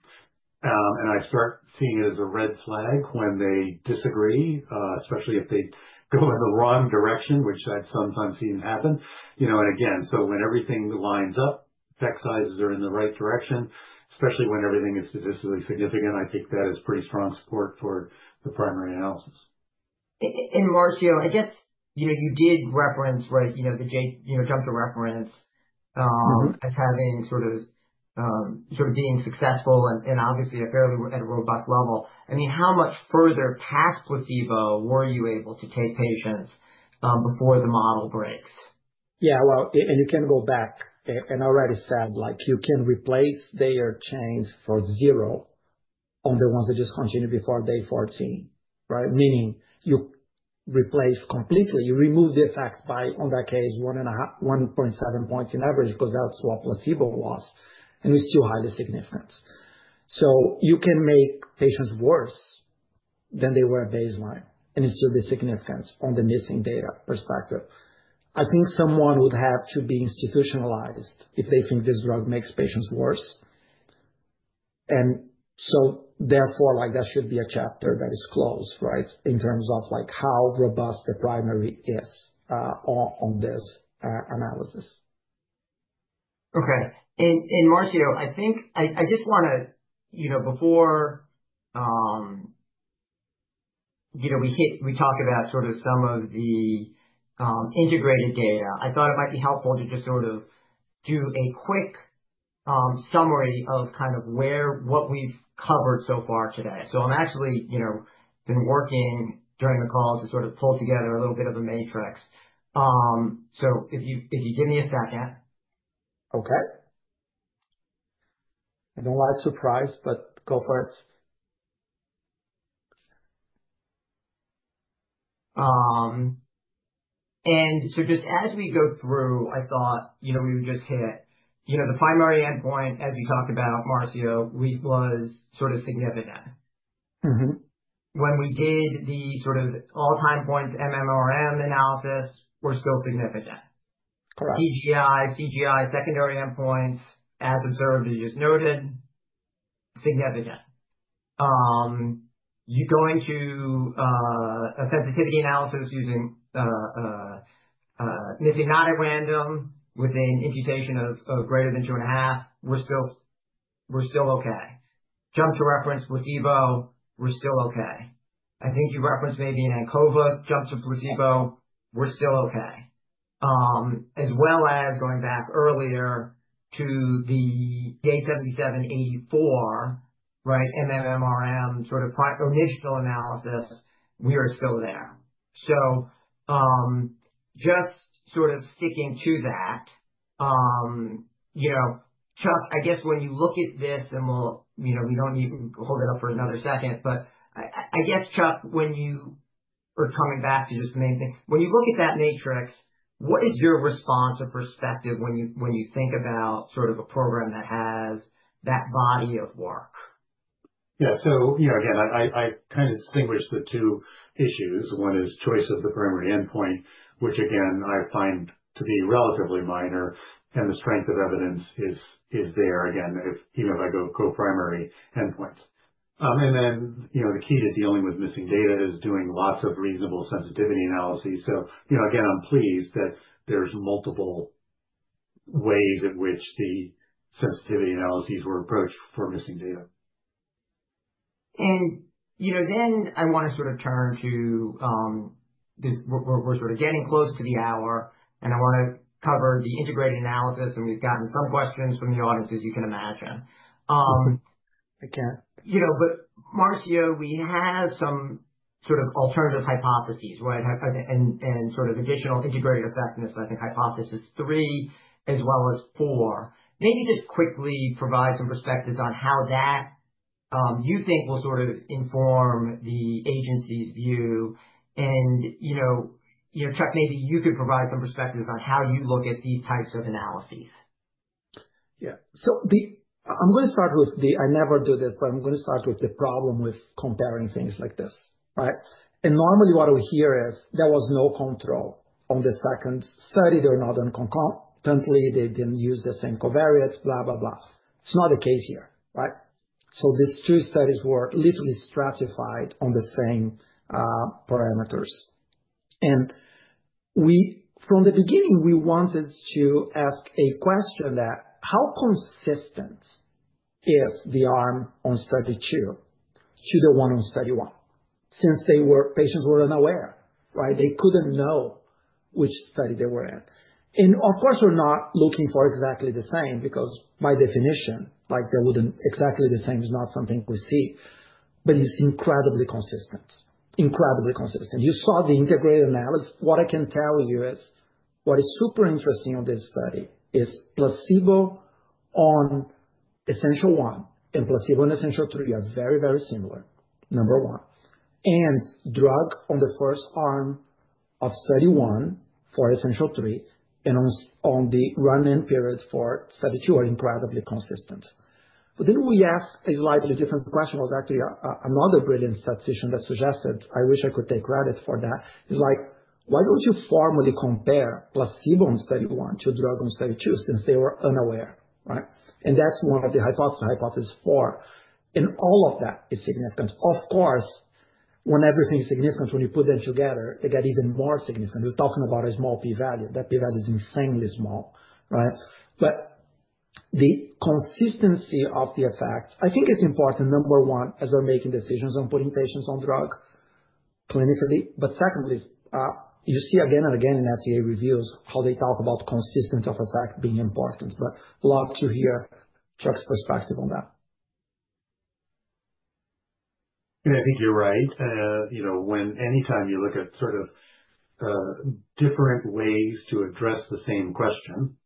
Speaker 2: I start seeing it as a red flag when they disagree, especially if they go in the wrong direction, which I've sometimes seen happen. Again, when everything lines up, effect sizes are in the right direction, especially when everything is statistically significant, I think that is pretty strong support for the primary analysis.
Speaker 1: Marcio, I guess you did reference the jump to reference as having sort of being successful and obviously at a robust level. I mean, how much further past placebo were you able to take patients before the model breaks?
Speaker 3: Yeah. You can go back. I already said, you can replace their chains for zero on the ones that discontinued before day 14, right? Meaning you replace completely. You remove the effect by, in that case, 1.7 points on average because that's what placebo was. It's still highly significant. You can make patients worse than they were at baseline and still be significant on the missing data perspective. I think someone would have to be institutionalized if they think this drug makes patients worse. Therefore, that should be a chapter that is closed, right, in terms of how robust the primary is on this analysis.
Speaker 1: Okay. Marcio, I think I just want to, before we talk about sort of some of the integrated data, I thought it might be helpful to just sort of do a quick summary of kind of what we've covered so far today. I have actually been working during the call to sort of pull together a little bit of a matrix. If you give me a second.
Speaker 3: Okay. I don't like surprise, but go for it.
Speaker 1: Just as we go through, I thought we would just hit the primary endpoint, as you talked about, Marcio, was sort of significant. When we did the sort of all-time points MMRM analysis, we're still significant. PGI, CGI, secondary endpoints, as observed, as you just noted, significant. You go into a sensitivity analysis using missing not at random with an imputation of greater than 2.5, we're still okay. Jump to reference placebo, we're still okay. I think you referenced maybe an ANCOVA, jump to placebo, we're still okay. As well as going back earlier to the A7784, right, MMRM sort of initial analysis, we are still there. Just sort of sticking to that. Chuck, I guess when you look at this and we do not need to hold it up for another second, but I guess, Chuck, when you are coming back to just the main thing, when you look at that matrix, what is your response or perspective when you think about sort of a program that has that body of work?
Speaker 2: Yeah. I kind of distinguish the two issues. One is choice of the primary endpoint, which I find to be relatively minor. The strength of evidence is there, even if I go co-primary endpoints. The key to dealing with missing data is doing lots of reasonable sensitivity analyses. I am pleased that there are multiple ways in which the sensitivity analyses were approached for missing data.
Speaker 1: I want to sort of turn to we're sort of getting close to the hour, and I want to cover the integrated analysis, and we've gotten some questions from the audience, as you can imagine.
Speaker 3: I can.
Speaker 1: Marcio, we have some sort of alternative hypotheses, right, and sort of additional integrated effectiveness, I think, hypothesis three, as well as four. Maybe just quickly provide some perspectives on how that you think will sort of inform the agency's view. Chuck, maybe you could provide some perspectives on how you look at these types of analyses.
Speaker 3: Yeah. I'm going to start with the I never do this, but I'm going to start with the problem with comparing things like this, right? Normally what we hear is there was no control on the second study. They were not unconcurrently. They didn't use the same covariates, blah, blah, blah. It's not the case here, right? These two studies were literally stratified on the same parameters. From the beginning, we wanted to ask a question that, how consistent is the arm on study two to the one on study one since patients were unaware, right? They couldn't know which study they were in. Of course, we're not looking for exactly the same because by definition, they wouldn't exactly the same is not something we see. It's incredibly consistent, incredibly consistent. You saw the integrated analysis. What I can tell you is what is super interesting on this study is placebo on Essential One and placebo on Essential Three are very, very similar, number one. Drug on the first arm of study one for Essential Three and on the run-in period for study two are incredibly consistent. We asked a slightly different question, was actually another brilliant statistician that suggested, I wish I could take credit for that, is like, why do not you formally compare placebo on study one to drug on study two since they were unaware, right? That is one of the hypotheses, hypothesis four. All of that is significant. Of course, when everything is significant, when you put them together, they get even more significant. We are talking about a small p-value. That P-value is insanely small, right? The consistency of the effects, I think it's important, number one, as we're making decisions on putting patients on drug clinically. Secondly, you see again and again in FDA reviews how they talk about consistency of effect being important. Love to hear Chuck's perspective on that.
Speaker 2: Yeah, I think you're right. Anytime you look at sort of different ways to address the same question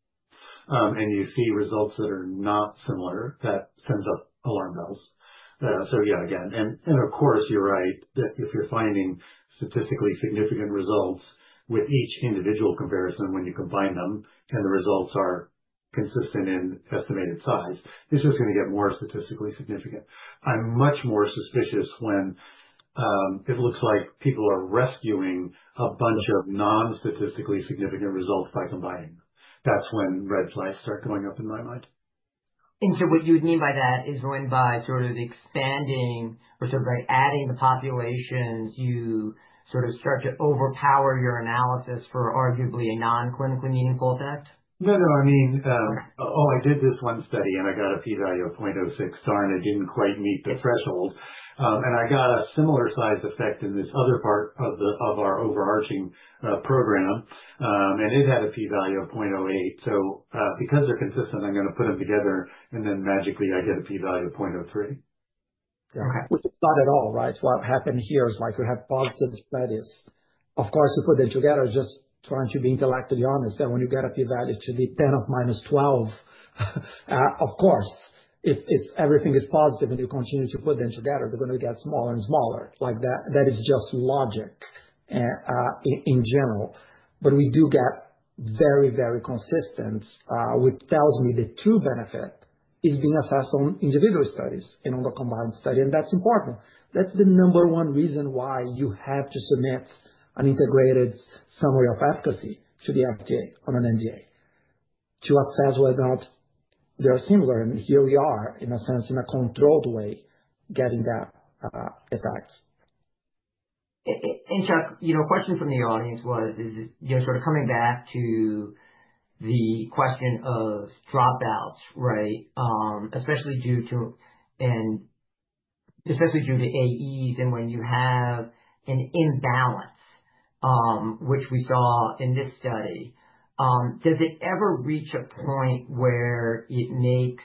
Speaker 2: and you see results that are not similar, that sends up alarm bells. Yeah, again. Of course, you're right that if you're finding statistically significant results with each individual comparison when you combine them and the results are consistent in estimated size, it's just going to get more statistically significant. I'm much more suspicious when it looks like people are rescuing a bunch of non-statistically significant results by combining. That's when red flags start going up in my mind.
Speaker 1: What you would mean by that is going by sort of expanding or sort of adding the populations, you sort of start to overpower your analysis for arguably a non-clinically meaningful effect?
Speaker 2: No, no. I mean, oh, I did this one study, and I got a p-value of 0.06, darn it, did not quite meet the threshold. And I got a similar size effect in this other part of our overarching program. And it had a p-value of 0.08. So because they are consistent, I am going to put them together, and then magically, I get a p-value of 0.03.
Speaker 3: Which is not at all, right? What happened here is like you have positive studies. Of course, you put them together, just trying to be intellectually honest. When you get a p-value to the 10 of minus 12, of course, if everything is positive and you continue to put them together, they're going to get smaller and smaller. That is just logic in general. We do get very, very consistent, which tells me the true benefit is being assessed on individual studies and on the combined study. That's important. That's the number one reason why you have to submit an integrated summary of efficacy to the FDA on an NDA to assess whether or not they are similar. Here we are, in a sense, in a controlled way, getting that effect.
Speaker 1: Chuck, a question from the audience was sort of coming back to the question of dropouts, right, especially due to AEs and when you have an imbalance, which we saw in this study, does it ever reach a point where it makes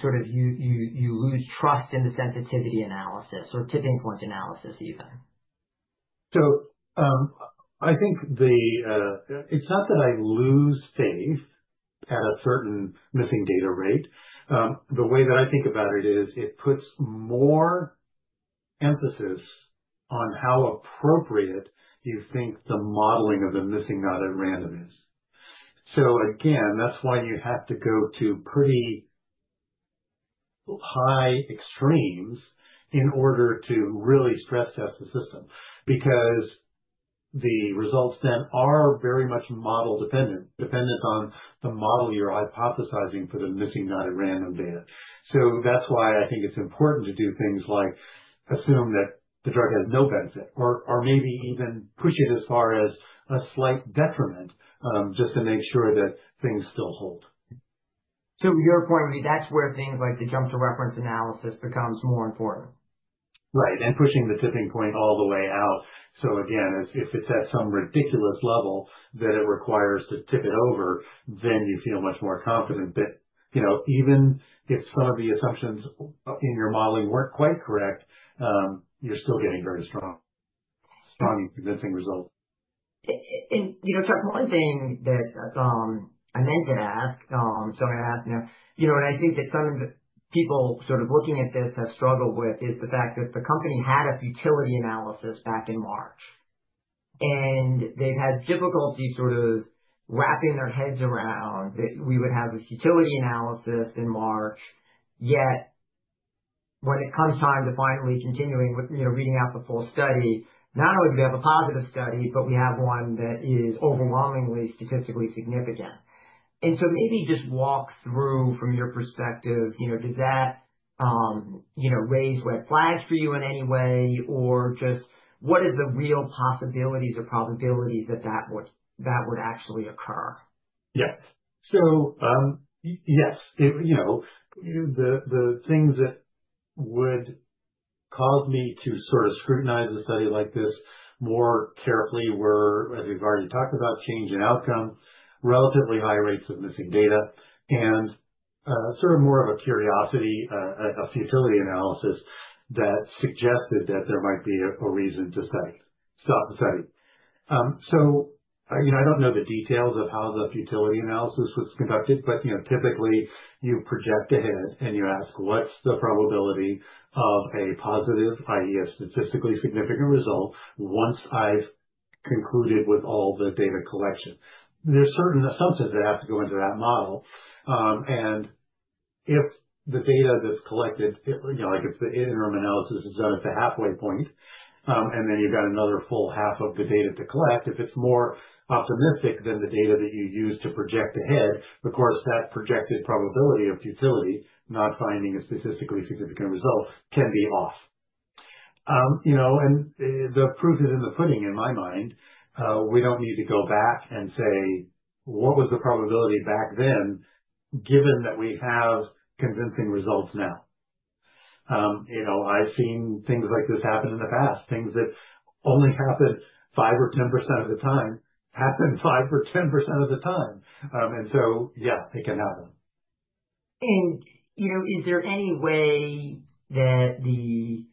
Speaker 1: sort of you lose trust in the sensitivity analysis or tipping point analysis even?
Speaker 2: I think it's not that I lose faith at a certain missing data rate. The way that I think about it is it puts more emphasis on how appropriate you think the modeling of the missing not at random is. Again, that's why you have to go to pretty high extremes in order to really stress test the system because the results then are very much model-dependent, dependent on the model you're hypothesizing for the missing not at random data. That's why I think it's important to do things like assume that the drug has no benefit or maybe even push it as far as a slight detriment just to make sure that things still hold.
Speaker 1: Your point would be that's where things like the jump to reference analysis becomes more important.
Speaker 2: Right. Pushing the tipping point all the way out, if it's at some ridiculous level that it requires to tip it over, you feel much more confident that even if some of the assumptions in your modeling weren't quite correct, you're still getting very strong and convincing results.
Speaker 1: Chuck, one thing that I meant to ask, so I'm going to ask now, and I think that some people sort of looking at this have struggled with is the fact that the company had a futility analysis back in March. They've had difficulty sort of wrapping their heads around that we would have a futility analysis in March, yet when it comes time to finally continuing with reading out the full study, not only do we have a positive study, but we have one that is overwhelmingly statistically significant. Maybe just walk through from your perspective, does that raise red flags for you in any way, or just what are the real possibilities or probabilities that that would actually occur?
Speaker 2: Yeah. Yes, the things that would cause me to sort of scrutinize a study like this more carefully were, as we've already talked about, change in outcome, relatively high rates of missing data, and sort of more of a curiosity, a futility analysis that suggested that there might be a reason to stop the study. I don't know the details of how the futility analysis was conducted, but typically, you project ahead and you ask, what's the probability of a positive, i.e., a statistically significant result once I've concluded with all the data collection? There are certain assumptions that have to go into that model. If the data that is collected, like if the interim analysis is done at the halfway point, and then you have another full half of the data to collect, if it is more optimistic than the data that you use to project ahead, of course, that projected probability of futility, not finding a statistically significant result, can be off. The proof is in the pudding in my mind. We do not need to go back and say, what was the probability back then, given that we have convincing results now? I have seen things like this happen in the past, things that only happen 5% or 10% of the time, happen 5% or 10% of the time. It can happen.
Speaker 1: Is there any way that the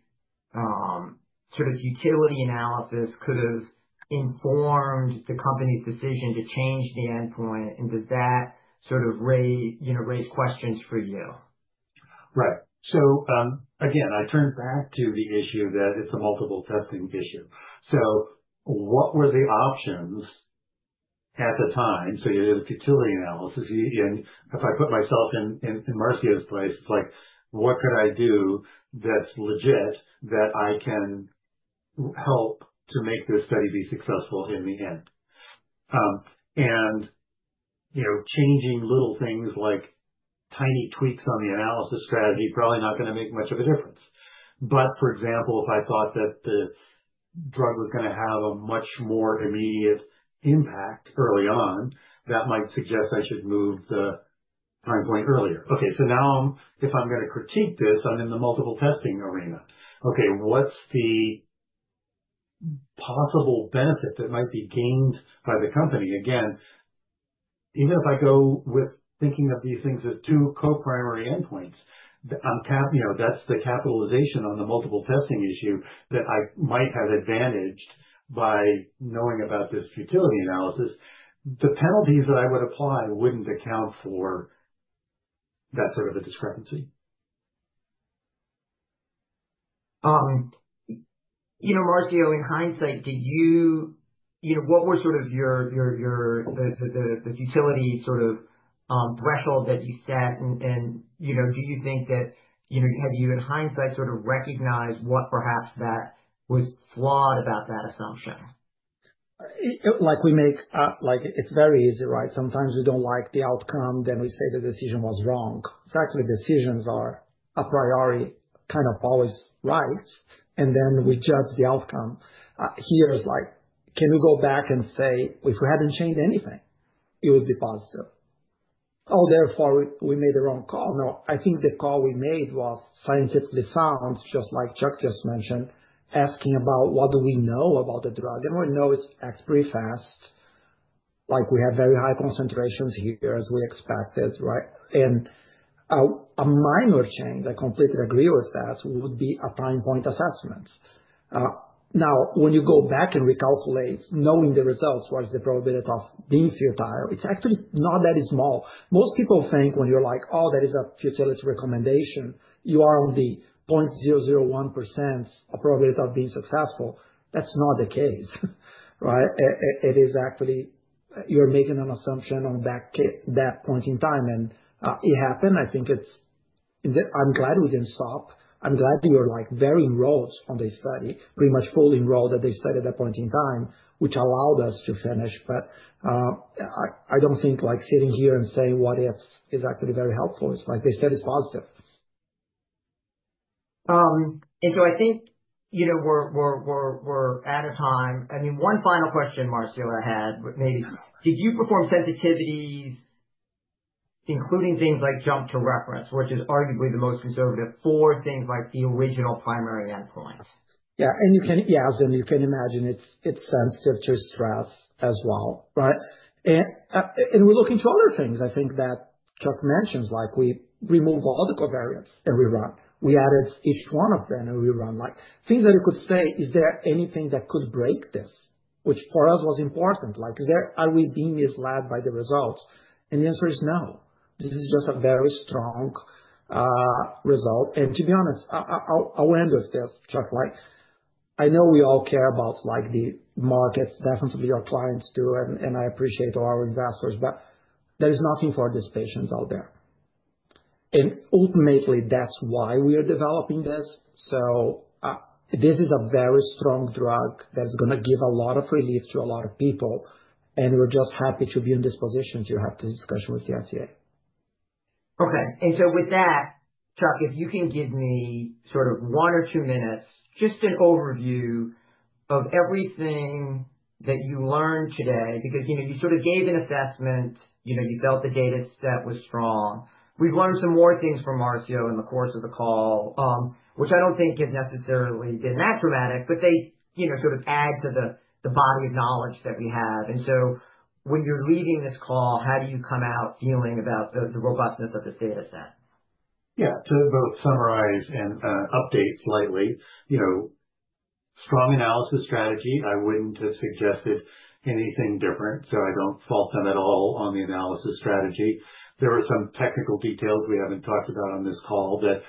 Speaker 1: sort of utility analysis could have informed the company's decision to change the endpoint? Does that sort of raise questions for you?
Speaker 2: Right. Again, I turn back to the issue that it's a multiple testing issue. What were the options at the time? You did a futility analysis. If I put myself in Marcio's place, it's like, what could I do that's legit that I can help to make this study be successful in the end? Changing little things like tiny tweaks on the analysis strategy is probably not going to make much of a difference. For example, if I thought that the drug was going to have a much more immediate impact early on, that might suggest I should move the time point earlier. Okay. Now if I'm going to critique this, I'm in the multiple testing arena. What's the possible benefit that might be gained by the company? Again, even if I go with thinking of these things as two coprimary endpoints, that's the capitalization on the multiple testing issue that I might have advantaged by knowing about this futility analysis. The penalties that I would apply wouldn't account for that sort of a discrepancy.
Speaker 1: Marcio, in hindsight, did you what were sort of the futility sort of threshold that you set? Do you think that have you, in hindsight, sort of recognized what perhaps was flawed about that assumption?
Speaker 3: Like we make it's very easy, right? Sometimes we don't like the outcome, then we say the decision was wrong. Exactly, decisions are a priori, kind of always right. Then we judge the outcome. Here's like, can you go back and say, if we hadn't changed anything, it would be positive. Oh, therefore, we made the wrong call. No, I think the call we made was scientifically sound, just like Chuck just mentioned, asking about what do we know about the drug. And we know it acts pretty fast. We have very high concentrations here, as we expected, right? And a minor change, I completely agree with that, would be a time point assessment. Now, when you go back and recalculate, knowing the results, what is the probability of being futile? It's actually not that small. Most people think when you're like, oh, that is a futility recommendation, you are on the 0.001% probability of being successful. That's not the case, right? It is actually you're making an assumption on that point in time. It happened. I think it's I'm glad we didn't stop. I'm glad we were very enrolled on the study, pretty much fully enrolled at the study at that point in time, which allowed us to finish. I don't think sitting here and saying what if is actually very helpful. It's like they said it's positive.
Speaker 1: I think we're out of time. I mean, one final question, Marcio, I had maybe. Did you perform sensitivities, including things like jump to reference, which is arguably the most conservative for things like the original primary endpoint?
Speaker 3: Yeah. Yeah, as you can imagine, it's sensitive to stress as well, right? We're looking to other things. I think that Chuck mentions, we remove all the covariates and we run. We added each one of them and we run. Things that you could say, is there anything that could break this, which for us was important? Are we being misled by the results? The answer is no. This is just a very strong result. To be honest, I'll end with this, Chuck. I know we all care about the markets, definitely our clients do, and I appreciate our investors, but there is nothing for these patients out there. Ultimately, that's why we are developing this. This is a very strong drug that is going to give a lot of relief to a lot of people. We are just happy to be in this position to have this discussion with the FDA.
Speaker 1: Okay. With that, Chuck, if you can give me sort of one or two minutes, just an overview of everything that you learned today, because you sort of gave an assessment, you felt the data set was strong. We've learned some more things from Marcio in the course of the call, which I don't think has necessarily been that dramatic, but they sort of add to the body of knowledge that we have. When you're leaving this call, how do you come out feeling about the robustness of this data set?
Speaker 2: Yeah. To both summarize and update slightly, strong analysis strategy. I would not have suggested anything different. I do not fault them at all on the analysis strategy. There were some technical details we have not talked about on this call that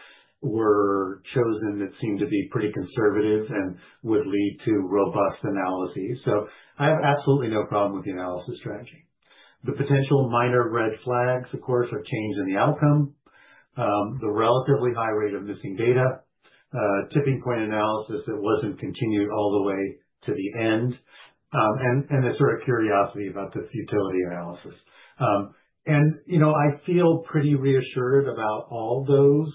Speaker 2: were chosen that seemed to be pretty conservative and would lead to robust analyses. I have absolutely no problem with the analysis strategy. The potential minor red flags, of course, are change in the outcome, the relatively high rate of missing data, tipping point analysis that was not continued all the way to the end, and the sort of curiosity about the futility analysis. I feel pretty reassured about all those.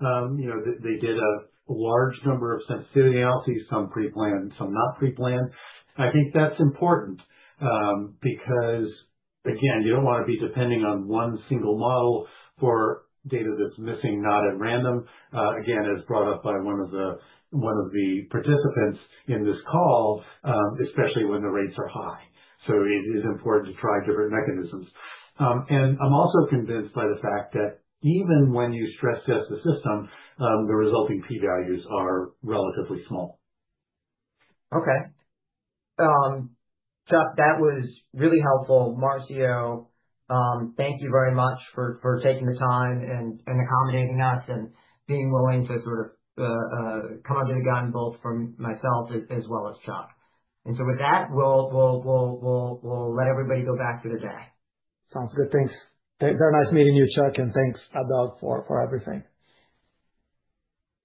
Speaker 2: They did a large number of sensitivity analyses, some preplanned, some not preplanned. I think that's important because, again, you don't want to be depending on one single model for data that's missing, not at random, again, as brought up by one of the participants in this call, especially when the rates are high. It is important to try different mechanisms. I'm also convinced by the fact that even when you stress test the system, the resulting p-values are relatively small.
Speaker 1: Okay. Chuck, that was really helpful. Marcio, thank you very much for taking the time and accommodating us and being willing to sort of come under the gun both from myself as well as Chuck. With that, we'll let everybody go back to their day.
Speaker 3: Sounds good. Thanks. Very nice meeting you, Chuck, and thanks, Adel, for everything.